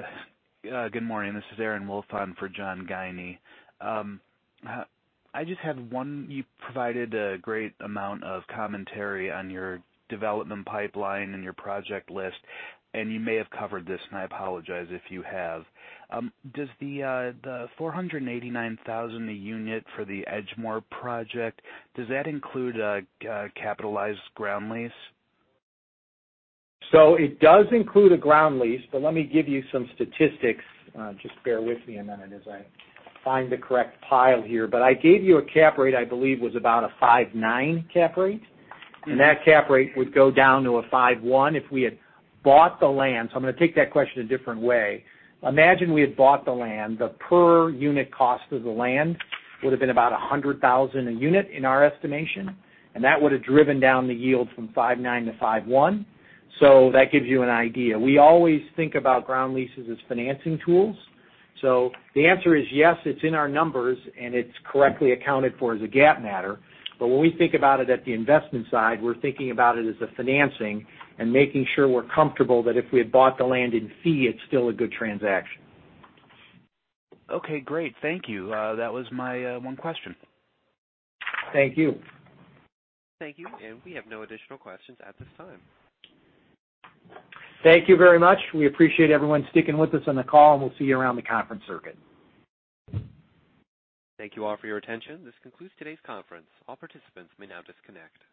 morning. This is Aaron Wolf on for John Guinee. You provided a great amount of commentary on your development pipeline and your project list, and you may have covered this, and I apologize if you have. Does the $489,000 a unit for 4885 Edgemoor Lane project include a capitalized ground lease? It does include a ground lease, let me give you some statistics. Just bear with me a minute as I find the correct pile here. I gave you a cap rate, I believe was about a 5.9% cap rate. That cap rate would go down to a 5.1% if we had bought the land. I'm going to take that question a different way. Imagine we had bought the land. The per unit cost of the land would've been about $100,000 a unit in our estimation, and that would've driven down the yield from 5.9% to 5.1%. That gives you an idea. We always think about ground leases as financing tools. The answer is yes, it's in our numbers, and it's correctly accounted for as a GAAP matter. When we think about it at the investment side, we're thinking about it as a financing and making sure we're comfortable that if we had bought the land in fee, it's still a good transaction. Okay, great. Thank you. That was my one question. Thank you. Thank you. We have no additional questions at this time. Thank you very much. We appreciate everyone sticking with us on the call, and we'll see you around the conference circuit. Thank you all for your attention. This concludes today's conference. All participants may now disconnect.